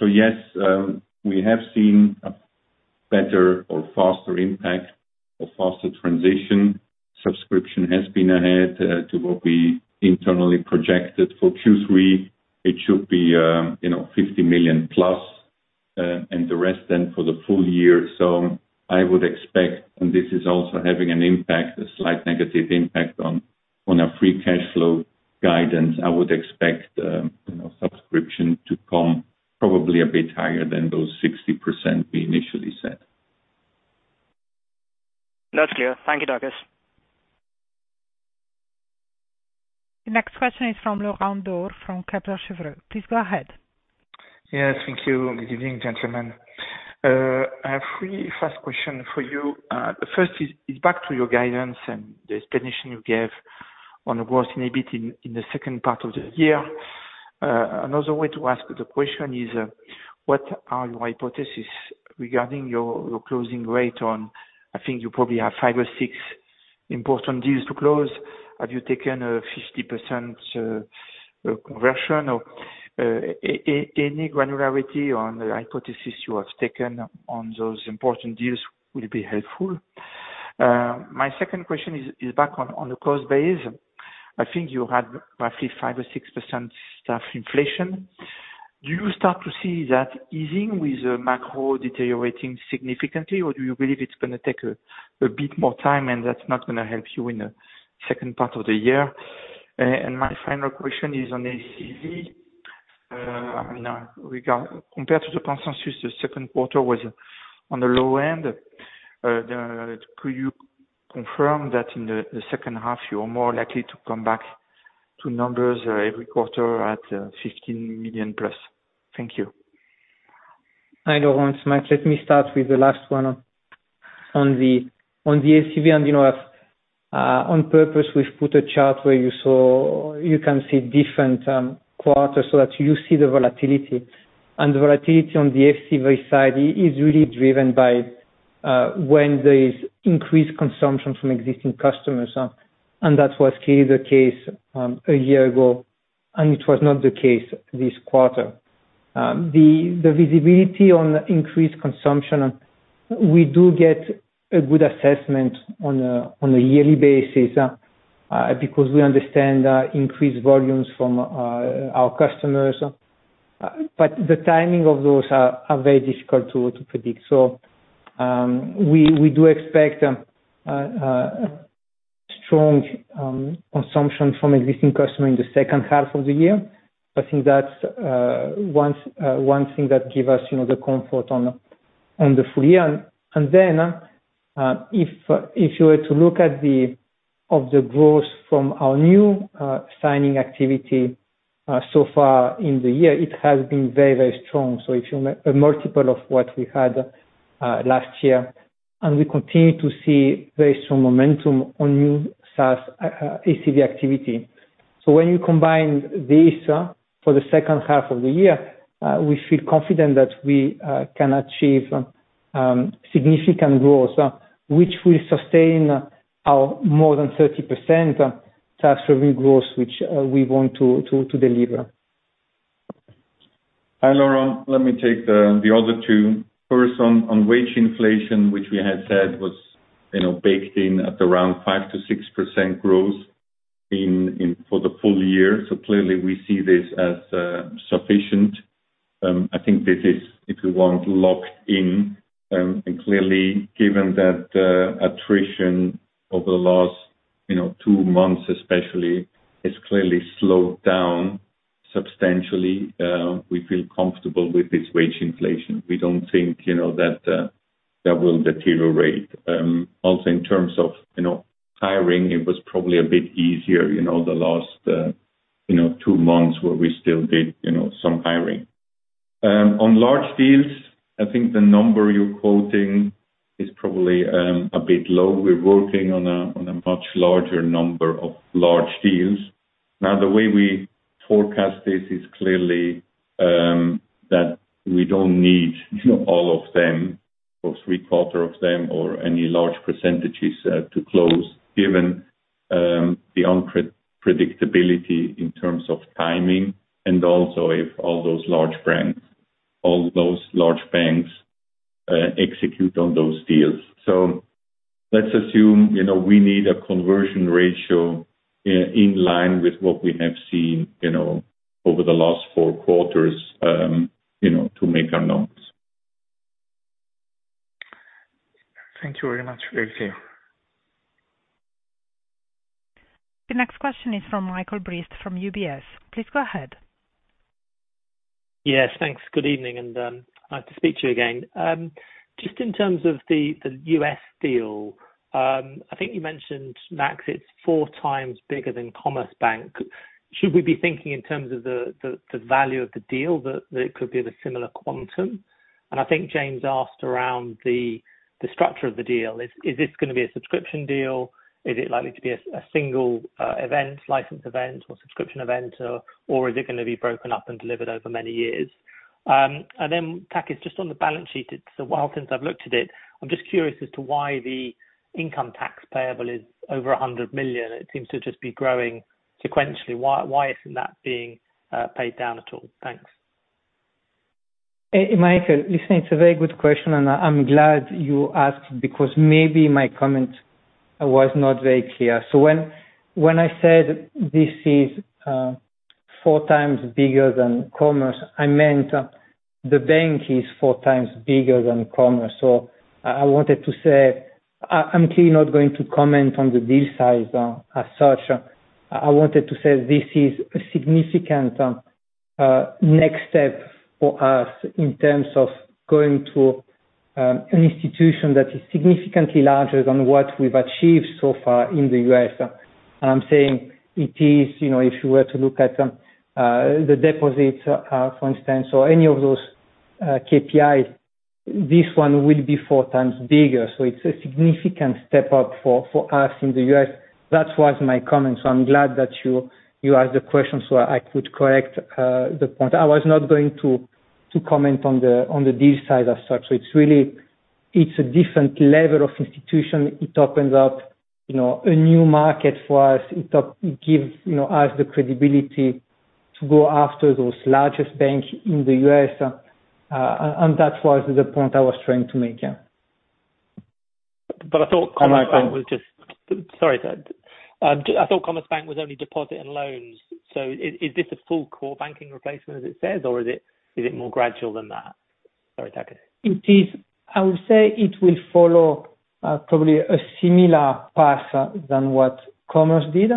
Yes, we have seen a better or faster impact or faster transition. Subscription has been ahead of what we internally projected. For Q3 it should be, you know, $50 million plus, and the rest then for the full year. I would expect, and this is also having an impact, a slight negative impact on our free cash flow guidance. I would expect, subscription to come probably a bit higher than those 60% we initially said.
That's clear. Thank you, Takis.
The next question is from Laurent Daure from Kepler Cheuvreux. Please go ahead.
Yes, thank you. Good evening, gentlemen. I have three fast question for you. The first is back to your guidance and the explanation you gave on the growth in EBIT in the second part of the year. Another way to ask the question is what are your hypothesis regarding your closing rate on. I think you probably have five or six important deals to close. Have you taken a 50% conversion or any granularity on the hypothesis you have taken on those important deals will be helpful. My second question is back on the cost base. I think you had roughly five or six percent staff inflation. Do you start to see that easing with the macro deteriorating significantly, or do you believe it's gonna take a bit more time and that's not gonna help you in the second part of the year? My final question is on ACV. I mean, compared to the consensus, the second quarter was on the low end. Could you confirm that in the second half you are more likely to come back to numbers every quarter at $15 million plus? Thank you.
Hi, Laurent. Let me start with the last one on the ACV and, you know, on purpose we've put a chart where you saw. You can see different quarters so that you see the volatility. The volatility on the ACV side is really driven by when there is increased consumption from existing customers. That was clearly the case a year ago, and it was not the case this quarter. The visibility on increased consumption, we do get a good assessment on a yearly basis because we understand increased volumes from our customers. But the timing of those are very difficult to predict. We do expect strong consumption from existing customer in the second half of the year. I think that's one thing that gives us, you know, the comfort on the full year. Then, if you were to look at the growth from our new signing activity so far in the year, it has been very, very strong. If it's a multiple of what we had last year, and we continue to see very strong momentum on new SaaS ACV activity. When you combine this for the second half of the year, we feel confident that we can achieve significant growth, which will sustain our more than 30% SaaS revenue growth, which we want to deliver.
Hi, Laurent. Let me take the other two. First on wage inflation, which we had said was, you know, baked in at around 5%-6% growth in for the full year. Clearly we see this as sufficient. I think this is, if you want, locked in. Clearly given that, attrition over the last, you know, two months especially, has clearly slowed down substantially, we feel comfortable with this wage inflation. We don't think, you know, that that will deteriorate. Also in terms of, you know, hiring, it was probably a bit easier, you know, the last, you know, two months where we still did, you know, some hiring. On large deals, I think the number you're quoting is probably a bit low. We're working on a much larger number of large deals. Now, the way we forecast this is clearly that we don't need, you know, all of them or three-quarters of them or any large percentages to close, given the unpredictability in terms of timing and also if all those large brands, all those large banks execute on those deals. Let's assume, you know, we need a conversion ratio in line with what we have seen, you know, over the last four quarters, you know, to make our number.
Thank you very much.
The next question is from Michael Briest from UBS. Please go ahead.
Yes, thanks. Good evening, and, nice to speak to you again. Just in terms of the US deal, I think you mentioned, Max, it's four times bigger than Commerce Bank. Should we be thinking in terms of the value of the deal, that it could be the similar quantum? I think James asked around the structure of the deal. Is this gonna be a subscription deal? Is it likely to be a single event, license event or subscription event or is it gonna be broken up and delivered over many years? Then Taka, just on the balance sheet, it's a while since I've looked at it. I'm just curious as to why the income tax payable is over $100 million. It seems to just be growing sequentially. Why isn't that being paid down at all? Thanks.
Michael, listen, it's a very good question, and I'm glad you asked because maybe my comment was not very clear. When I said this is four times bigger than Commerce, I meant the bank is four times bigger than Commerce. I wanted to say I'm clearly not going to comment on the deal size, as such. I wanted to say this is a significant next step for us in terms of going to an institution that is significantly larger than what we've achieved so far in the US. I'm saying it is, you know, if you were to look at the deposits, for instance, or any of those KPIs, this one will be four times bigger. It's a significant step up for us in the US. That was my comment, so I'm glad that you asked the question so I could correct the point. I was not going to comment on the deal side as such. It's really, it's a different level of institution. It opens up, you know, a new market for us. It gives, you know, us the credibility to go after those largest banks in the US. That was the point I was trying to make. Yeah.
I thought.
Hi, Michael.
Sorry. I thought Commerce Bank was only deposit and loans, so is this a full core banking replacement as it says, or is it more gradual than that? Sorry, Takis.
I would say it will follow probably a similar path than what Commerce did.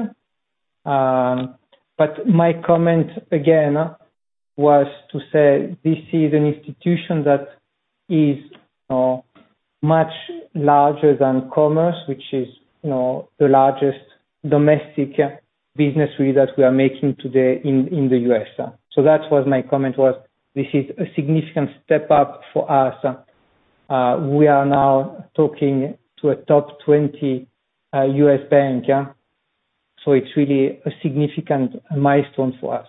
But my comment again was to say this is an institution that is much larger than Commerce, which is, you know, the largest domestic business really that we are making today in the U.S. That was my comment, this is a significant step up for us. We are now talking to a top 20 U.S. bank, yeah. It's really a significant milestone for us.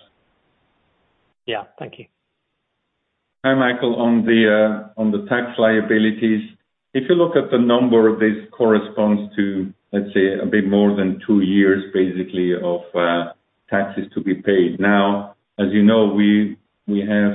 Yeah. Thank you.
Hi, Michael. On the tax liabilities, if you look at the number of these corresponds to, let's say a bit more than two years basically of taxes to be paid. Now, as you know, we have,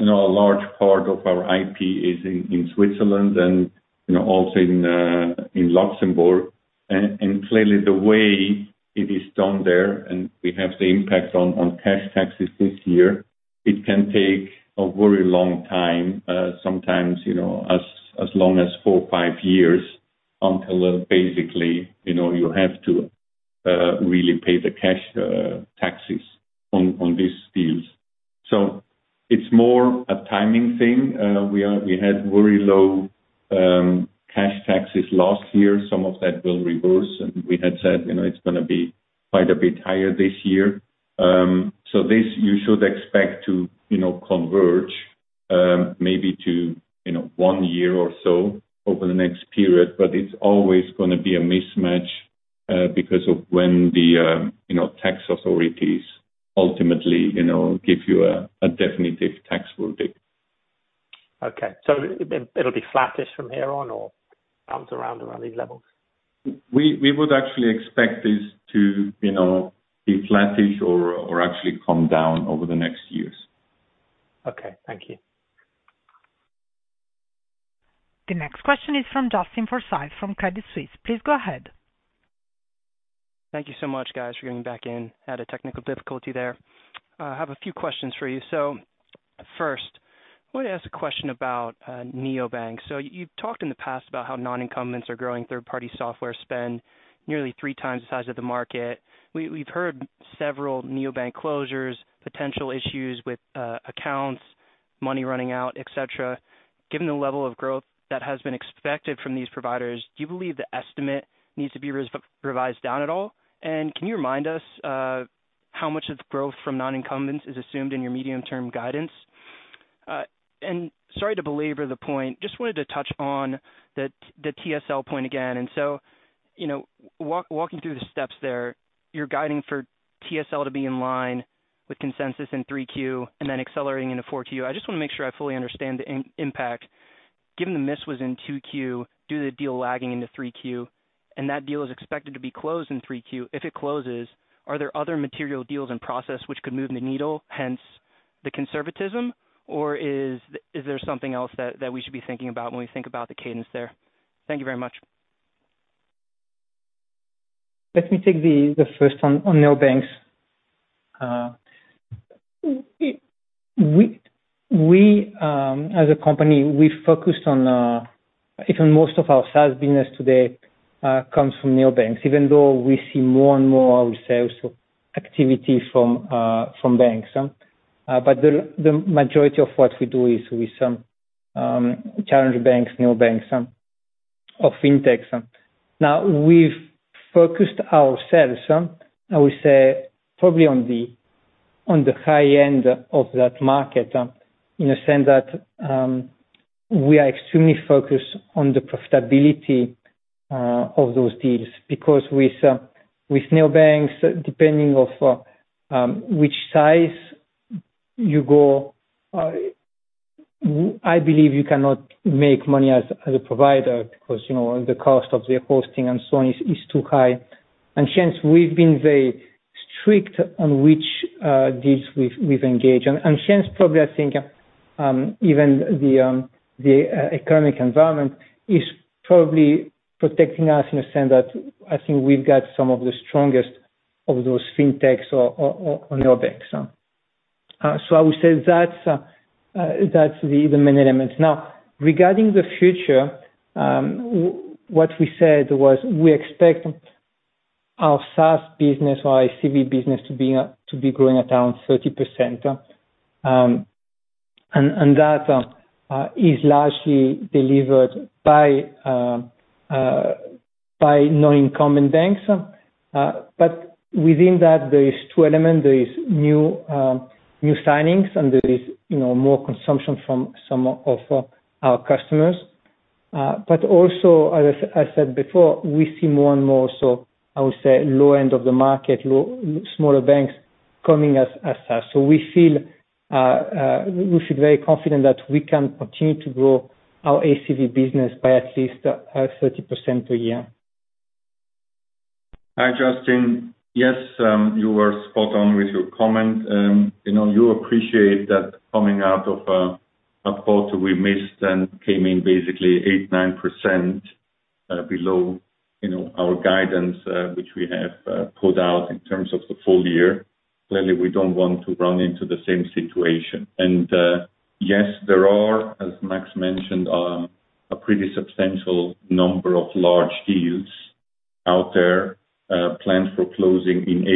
you know, a large part of our IP is in Switzerland and, you know, also in Luxembourg. Clearly the way it is done there, and we have the impact on cash taxes this year, it can take a very long time, sometimes, you know, as long as four, five years until basically, you know, you have to really pay the cash taxes on these deals. It's more a timing thing. We had very low cash taxes last year. Some of that will reverse. We had said, you know, it's gonna be quite a bit higher this year. This you should expect to, you know, converge, maybe to, you know, one year or so over the next period. It's always gonna be a mismatch, because of when the, you know, tax authorities ultimately, you know, give you a definitive tax verdict.
Okay. It'll be flattish from here on or bounce around these levels?
We would actually expect this to, you know, be flattish or actually come down over the next years.
Okay. Thank you.
The next question is from Justin Forsythe from Credit Suisse. Please go ahead.
Thank you so much, guys, for getting back in. Had a technical difficulty there. Have a few questions for you. First, wanna ask a question about neobanks. You've talked in the past about how non-incumbents are growing third party software spend nearly three times the size of the market. We've heard several neobank closures, potential issues with accounts, money running out, et cetera. Given the level of growth that has been expected from these providers, do you believe the estimate needs to be revised down at all? Can you remind us how much of the growth from non-incumbents is assumed in your medium-term guidance? Sorry to belabor the point. Just wanted to touch on the TSL point again. You know, walking through the steps there, you're guiding for TSL to be in line with consensus in three Q and then accelerating into four Q. I just wanna make sure I fully understand the impact. Given the miss was in two Q, due to the deal lagging into three Q, and that deal is expected to be closed in three Q, if it closes, are there other material deals in process which could move the needle, hence the conservatism? Or is there something else that we should be thinking about when we think about the cadence there? Thank you very much.
Let me take the first one on neobanks. We, as a company, we focused on even most of our sales business today comes from neobanks, even though we see more and more sales activity from banks. The majority of what we do is with some challenger banks, neobanks or fintechs. Now, we've focused ourselves, I would say probably on the high end of that market, in the sense that we are extremely focused on the profitability of those deals because with neobanks, depending on which size you go, I believe you cannot make money as a provider because, you know, the cost of their hosting and so on is too high. Since we've been very strict on which deals we've engaged. Since probably I think even the economic environment is probably protecting us in the sense that I think we've got some of the strongest of those fintechs or neobanks. So I would say that's the main elements. Now, regarding the future, what we said was we expect our SaaS business or ACV business to be growing at around 30%. And that is largely delivered by non-incumbent banks. But within that, there is two element. There is new signings, and there is, you know, more consumption from some of our customers. Also, as I said before, we see more and more, so I would say low end of the market, smaller banks coming as SaaS. We feel very confident that we can continue to grow our ACV business by at least 30% a year.
Hi, Justin. Yes, you were spot on with your comment. You know, you appreciate that coming out of a quarter we missed and came in basically 8-9% below, you know, our guidance, which we have put out in terms of the full year. Clearly, we don't want to run into the same situation. Yes, there are, as Max mentioned, a pretty substantial number of large deals out there planned for closing in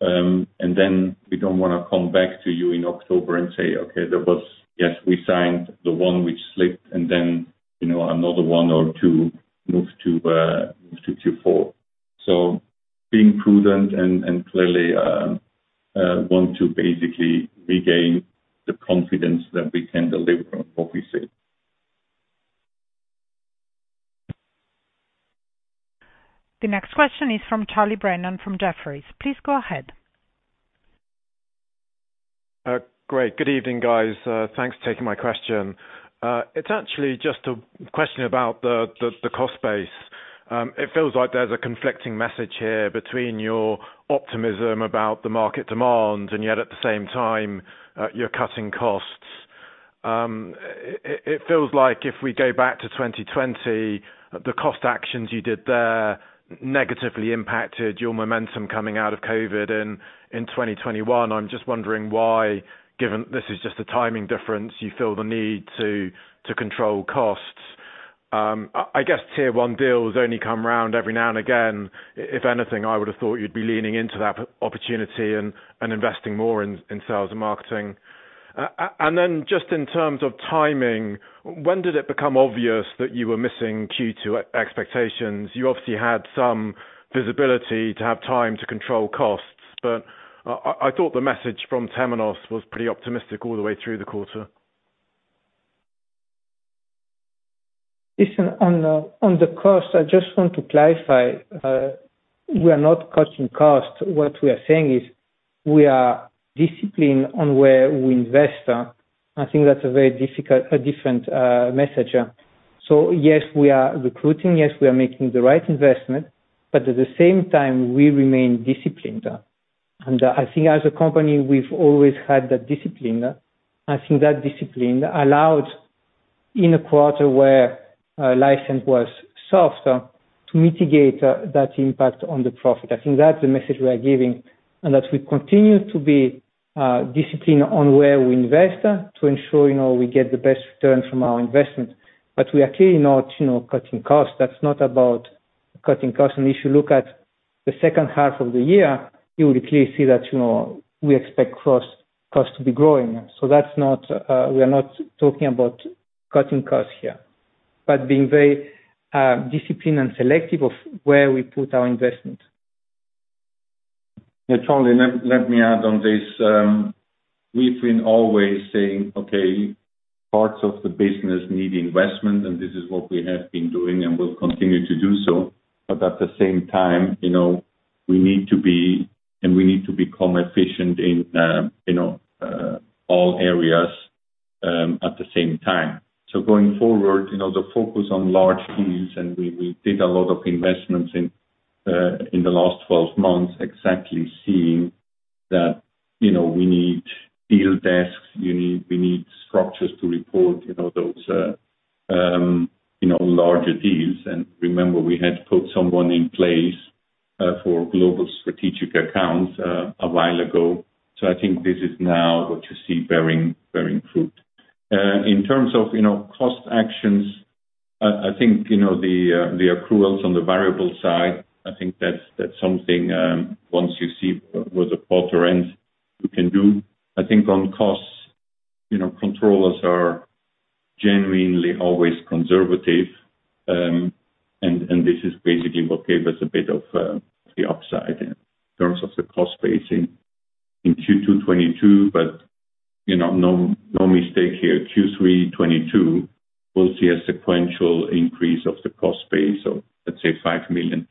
H2. We don't wanna come back to you in October and say, "Okay, there was. Yes, we signed the one which slipped and then, you know, another one or two moved to Q4." Being prudent and clearly want to basically regain the confidence that we can deliver on what we said.
The next question is from Charles Brennan from Jefferies. Please go ahead.
Great. Good evening, guys. Thanks for taking my question. It's actually just a question about the cost base. It feels like there's a conflicting message here between your optimism about the market demand and yet at the same time, you're cutting costs. It feels like if we go back to 2020, the cost actions you did there negatively impacted your momentum coming out of COVID in 2021. I'm just wondering why, given this is just a timing difference, you feel the need to control costs. I guess tier one deals only come around every now and again. If anything, I would have thought you'd be leaning into that opportunity and investing more in sales and marketing. Just in terms of timing, when did it become obvious that you were missing Q2 expectations? You obviously had some visibility to have time to control costs, but I thought the message from Temenos was pretty optimistic all the way through the quarter.
Listen, on the cost, I just want to clarify, we are not cutting costs. What we are saying is we are disciplined on where we invest. I think that's a different message. Yes, we are recruiting. Yes, we are making the right investment, but at the same time, we remain disciplined. I think as a company, we've always had that discipline. I think that discipline allowed in a quarter where license was soft to mitigate that impact on the profit. I think that's the message we are giving and that we continue to be disciplined on where we invest to ensure, you know, we get the best return from our investment. We are clearly not, you know, cutting costs. That's not about cutting costs. If you look at the second half of the year, you will clearly see that, you know, we expect costs to be growing. We are not talking about cutting costs here. Being very disciplined and selective of where we put our investment.
Yeah, Charlie Brennan, let me add on this. We've been always saying, okay, parts of the business need investment, and this is what we have been doing and will continue to do so. At the same time, you know, we need to be and we need to become efficient in, you know, all areas, at the same time. Going forward, you know, the focus on large deals, and we did a lot of investments in in the last 12 months, exactly seeing That, you know, we need deal desks, we need structures to report, you know, those larger deals. Remember, we had put someone in place for global strategic accounts a while ago. I think this is now what you see bearing fruit. In terms of, you know, cost actions, I think the accruals on the variable side, I think that's something once you see where the quarter ends, we can do. I think on costs, you know, controllers are genuinely always conservative, and this is basically what gave us a bit of the upside in terms of the cost base in Q2 2022. No mistake here, Q3 2022, we'll see a sequential increase of the cost base of, let's say, $5 million+.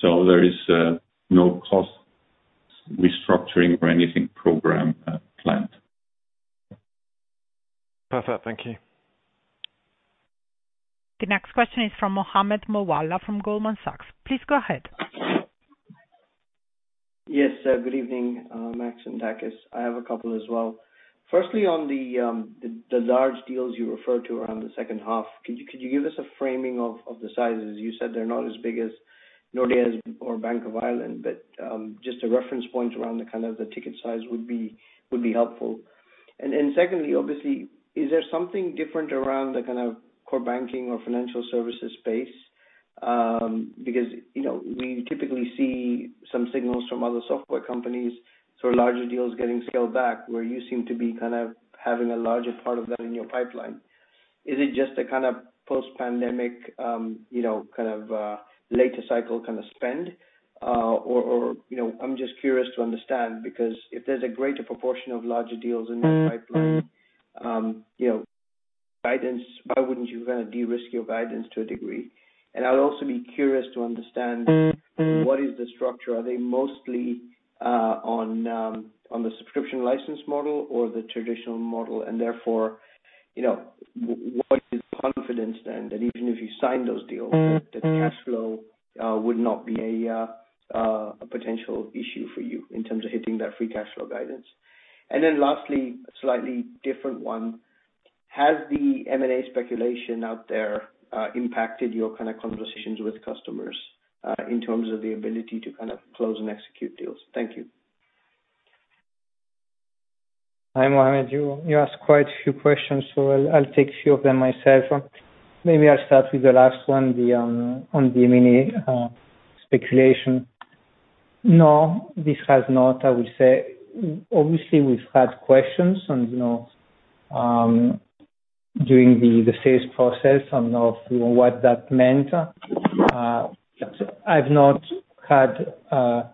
There is no cost restructuring or anything program planned.
Perfect. Thank you.
The next question is from Mohammed Moawalla from Goldman Sachs. Please go ahead.
Yes. Good evening, Max and Takis. I have a couple as well. Firstly, on the large deals you referred to around the second half, could you give us a framing of the sizes? You said they're not as big as Nordea or Bank of Ireland, but just a reference point around the kind of the ticket size would be helpful. Secondly, obviously, is there something different around the kind of core banking or financial services space? Because, you know, we typically see some signals from other software companies, sort of larger deals getting scaled back, where you seem to be kind of having a larger part of that in your pipeline. Is it just a kind of post-pandemic, you know, kind of later cycle kind of spend? you know, I'm just curious to understand, because if there's a greater proportion of larger deals in that pipeline.
Mm-mm.
you know, guidance, why wouldn't you kind of de-risk your guidance to a degree? I would also be curious to understand-
Mm-mm.
What is the structure? Are they mostly on the subscription license model or the traditional model, and therefore, you know, what is confidence then that even if you sign those deals-
Mm-mm.
That the cash flow would not be a potential issue for you in terms of hitting that free cash flow guidance? Then lastly, a slightly different one. Has the M&A speculation out there impacted your kind of conversations with customers in terms of the ability to kind of close and execute deals? Thank you.
Hi, Mohammed. You asked quite a few questions, so I'll take a few of them myself. Maybe I'll start with the last one, the one on the M&A speculation. No, this has not. I would say, obviously we've had questions and, you know, during the sales process and of, you know, what that meant. I've not had a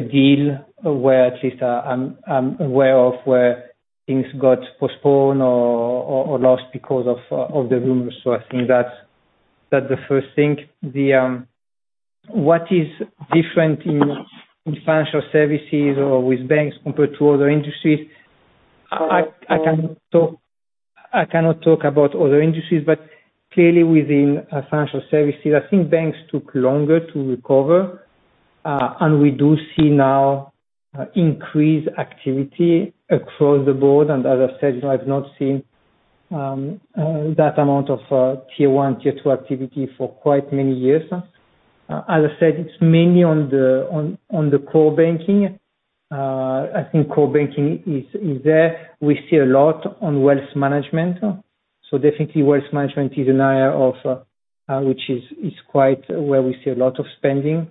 deal where at least I'm aware of where things got postponed or lost because of the rumors. I think that's the first thing. What is different in financial services or with banks compared to other industries, I cannot talk about other industries, but clearly within financial services, I think banks took longer to recover and we do see now increased activity across the board. As I said, you know, I've not seen that amount of tier one, tier two activity for quite many years. As I said, it's mainly on the core banking. I think core banking is there. We see a lot on wealth management. Definitely wealth management is an area of which is quite where we see a lot of spending.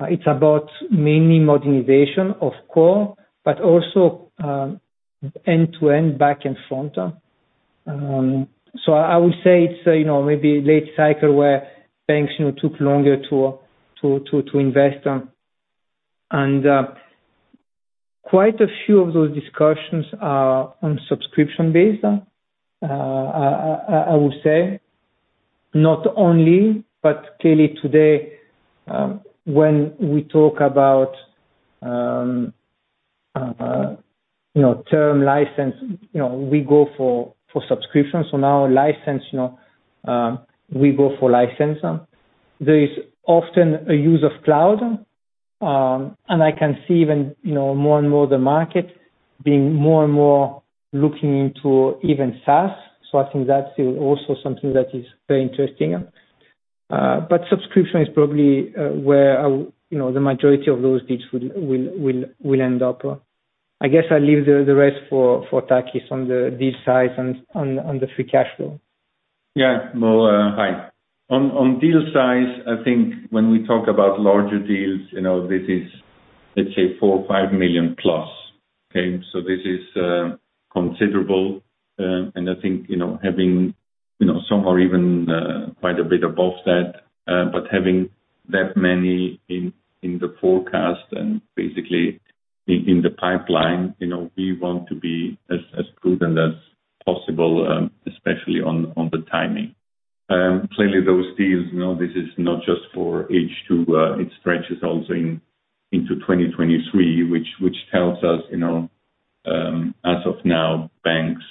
It's about mainly modernization of core, but also end-to-end back and front. I would say it's, you know, maybe late cycle where banks, you know, took longer to invest. Quite a few of those discussions are on subscription base. I would say not only, but clearly today, when we talk about, you know, term license, you know, we go for subscription. Now license, you know, we go for license. There is often a use of cloud, and I can see even, you know, more and more the market being more and more looking into even SaaS. I think that's also something that is very interesting. But subscription is probably where, you know, the majority of those deals will end up. I guess I'll leave the rest for Takis on the deal size and on the free cash flow.
Yeah. Well, hi. On deal size, I think when we talk about larger deals, you know, this is, let's say $4-$5 million plus. Okay? This is considerable. I think, you know, having, you know, somehow even quite a bit above that, but having that many in the forecast and basically in the pipeline, you know, we want to be as prudent as possible, especially on the timing. Clearly those deals, you know, this is not just for H2, it stretches also into 2023 which tells us, you know, as of now, banks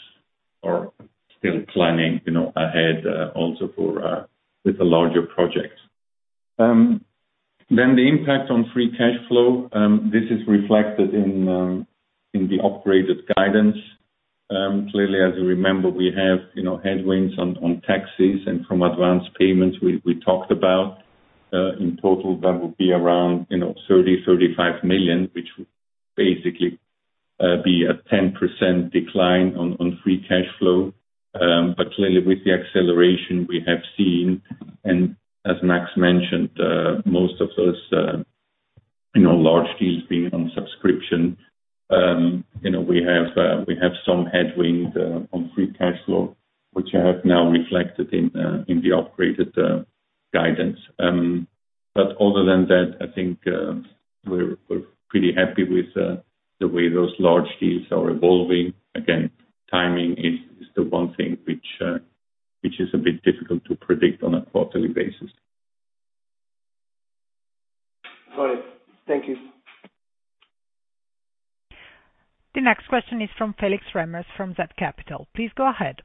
Still planning, you know, ahead also for with the larger projects. Then the impact on free cash flow this is reflected in the upgraded guidance. Clearly, as you remember, we have, you know, headwinds on taxes and from advanced payments we talked about. In total that would be around, you know, $30-$35 million, which would basically be a 10% decline on free cash flow. Clearly with the acceleration we have seen, and as Max mentioned, most of those, you know, large deals being on subscription, you know, we have some headwind on free cash flow, which I have now reflected in the upgraded guidance. Other than that, I think, we're pretty happy with the way those large deals are evolving. Again, timing is the one thing which is a bit difficult to predict on a quarterly basis.
Got it. Thank you.
The next question is from Felix Remmers, from Zeta Capital Management. Please go ahead.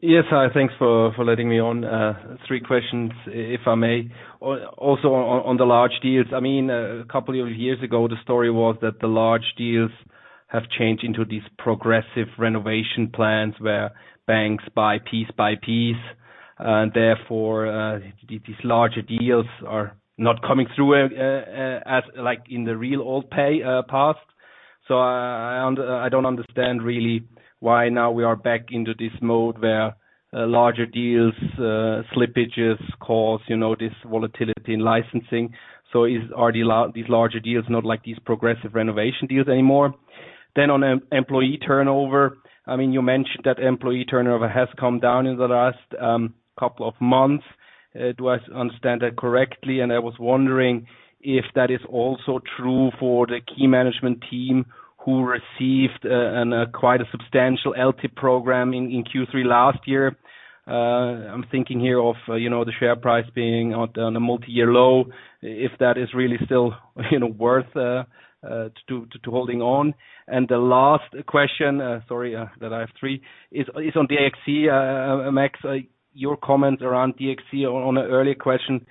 Yes. Hi. Thanks for letting me on. Three questions if I may. Also on the large deals. I mean, a couple of years ago, the story was that the large deals have changed into these progressive renovation plans where banks buy piece by piece, and therefore, these larger deals are not coming through as like in the really old days past. I don't understand really why now we are back into this mode where larger deal slippages cause, you know, this volatility in licensing. Are these larger deals not like these progressive renovation deals anymore? On employee turnover, I mean, you mentioned that employee turnover has come down in the last couple of months. Do I understand that correctly? I was wondering if that is also true for the key management team who received a quite substantial LTIP in Q3 last year. I'm thinking here of, you know, the share price being on a multi-year low, if that is really still, you know, worth to holding on. The last question that I have, three, is on DXC. Max, your comment around DXC on an earlier question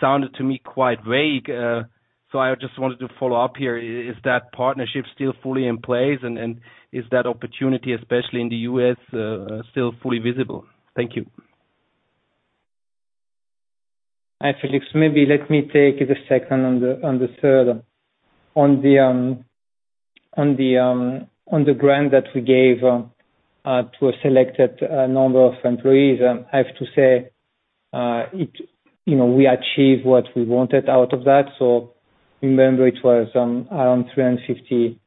sounded to me quite vague. So I just wanted to follow up here. Is that partnership still fully in place? And is that opportunity, especially in the US, still fully visible? Thank you.
Hi, Felix. Maybe let me take the second and the third. On the grant that we gave to a selected number of employees, I have to say, it. You know, we achieved what we wanted out of that. Remember it was around 350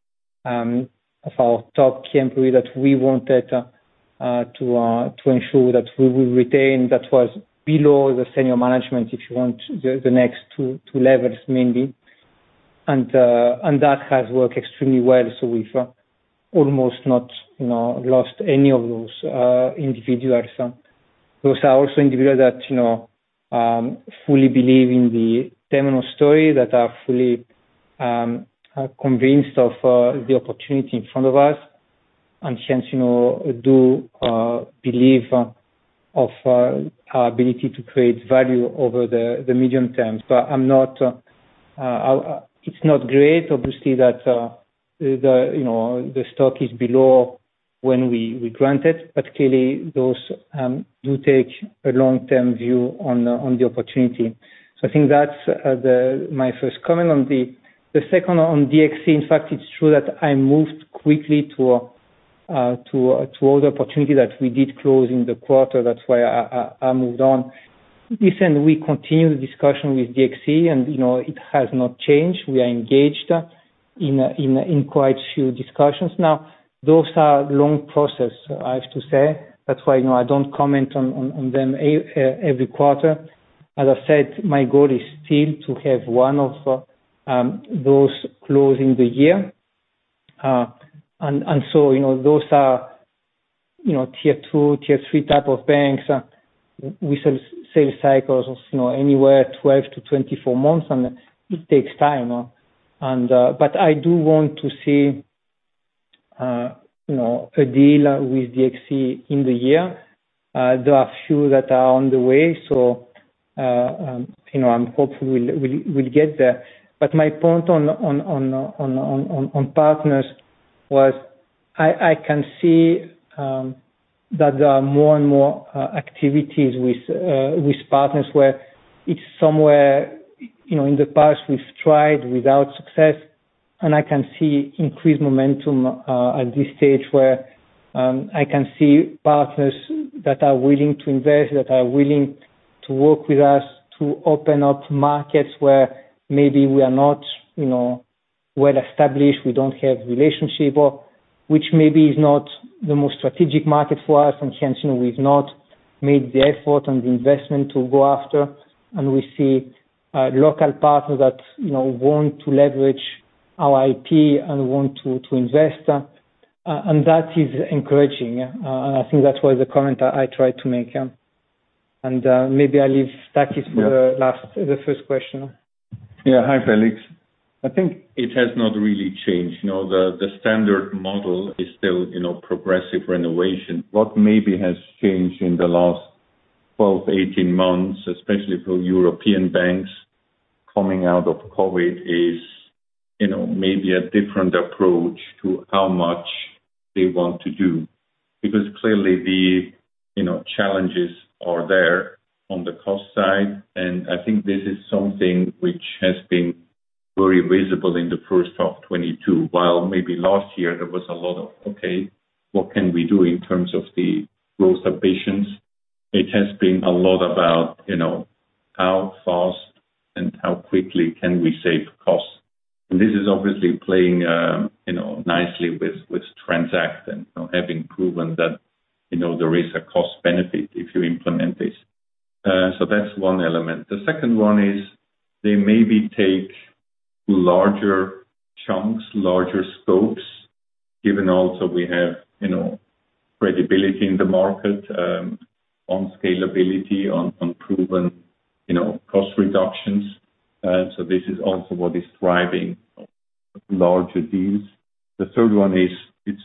of our top key employee that we wanted to ensure that we will retain. That was below the senior management, if you want, the next two levels mainly. That has worked extremely well. We've almost not, you know, lost any of those individuals. Those are also individuals that, you know, fully believe in the Temenos story, that are fully convinced of the opportunity in front of us. Since you know do believe in our ability to create value over the medium term. It's not great, obviously that the stock is below when we grant it. Clearly those do take a long-term view on the opportunity. I think that's my first comment. On the second one on DXC, in fact, it's true that I moved quickly to other opportunity that we did close in the quarter, that's why I moved on. Listen, we continue the discussion with DXC and, you know, it has not changed. We are engaged in quite a few discussions. Now, those are long processes, I have to say. That's why, you know, I don't comment on them every quarter. As I said, my goal is still to have one of those closing the year. You know, those are, you know, tier two, tier three type of banks with sales cycles of, you know, anywhere 12-24 months, and it takes time. I do want to see, you know, a deal with DXC in the year. There are a few that are on the way. You know, I'm hopeful we'll get there. My point on partners was I can see that there are more and more activities with partners where it's somewhere, you know, in the past we've tried without success, and I can see increased momentum at this stage where I can see partners that are willing to invest, that are willing to work with us to open up markets where maybe we are not, you know, well established, we don't have relationship, or which maybe is not the most strategic market for us, and hence, you know, we've not made the effort and the investment to go after. We see local partners that, you know, want to leverage our IP and want to invest. That is encouraging. I think that's why the comment I tried to make. Maybe I'll leave Takis for the first question.
Yeah. Hi, Felix. I think it has not really changed. You know, the standard model is still, you know, progressive renovation. What maybe has changed in the last 12, 18 months, especially for European banks coming out of COVID is, you know, maybe a different approach to how much they want to do. Because clearly the, you know, challenges are there on the cost side, and I think this is something which has been very visible in the first half 2022, while maybe last year there was a lot of, "Okay, what can we do in terms of the growth ambitions?" It has been a lot about, you know, how fast and how quickly can we save costs. This is obviously playing, you know, nicely with Transact and, you know, having proven that, you know, there is a cost benefit if you implement this. That's one element. The second one is they maybe take larger chunks, larger scopes, given also we have, you know, credibility in the market, on scalability, on proven, you know, cost reductions. This is also what is driving larger deals. The third one is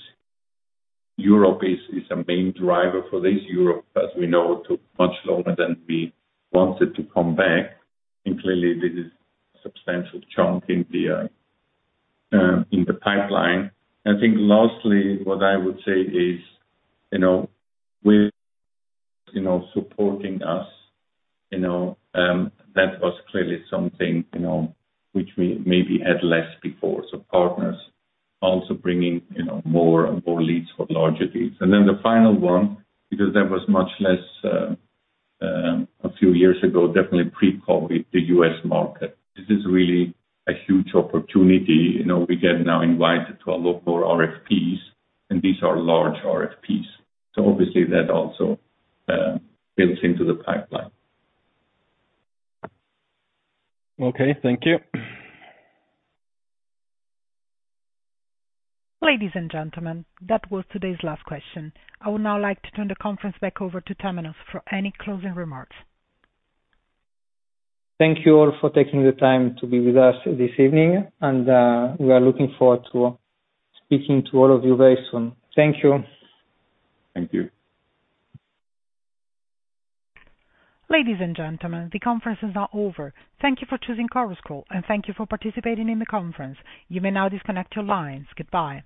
Europe is a main driver for this. Europe, as we know, took much longer than we wanted to come back, and clearly this is substantial chunk in the pipeline. I think lastly, what I would say is, you know, partners, you know, supporting us, you know, that was clearly something, you know, which we maybe had less before. Partners also bringing, you know, more and more leads for larger deals. Then the final one, because there was much less a few years ago, definitely pre-COVID, the US market. This is really a huge opportunity. You know, we get now invited to a lot more RFPs, and these are large RFPs. Obviously that also builds into the pipeline.
Okay, thank you.
Ladies and gentlemen, that was today's last question. I would now like to turn the conference back over to Temenos for any closing remarks.
Thank you all for taking the time to be with us this evening and, we are looking forward to speaking to all of you very soon. Thank you.
Thank you.
Ladies and gentlemen, the conference is now over. Thank you for choosing Chorus Call, and thank you for participating in the conference. You may now disconnect your lines. Goodbye.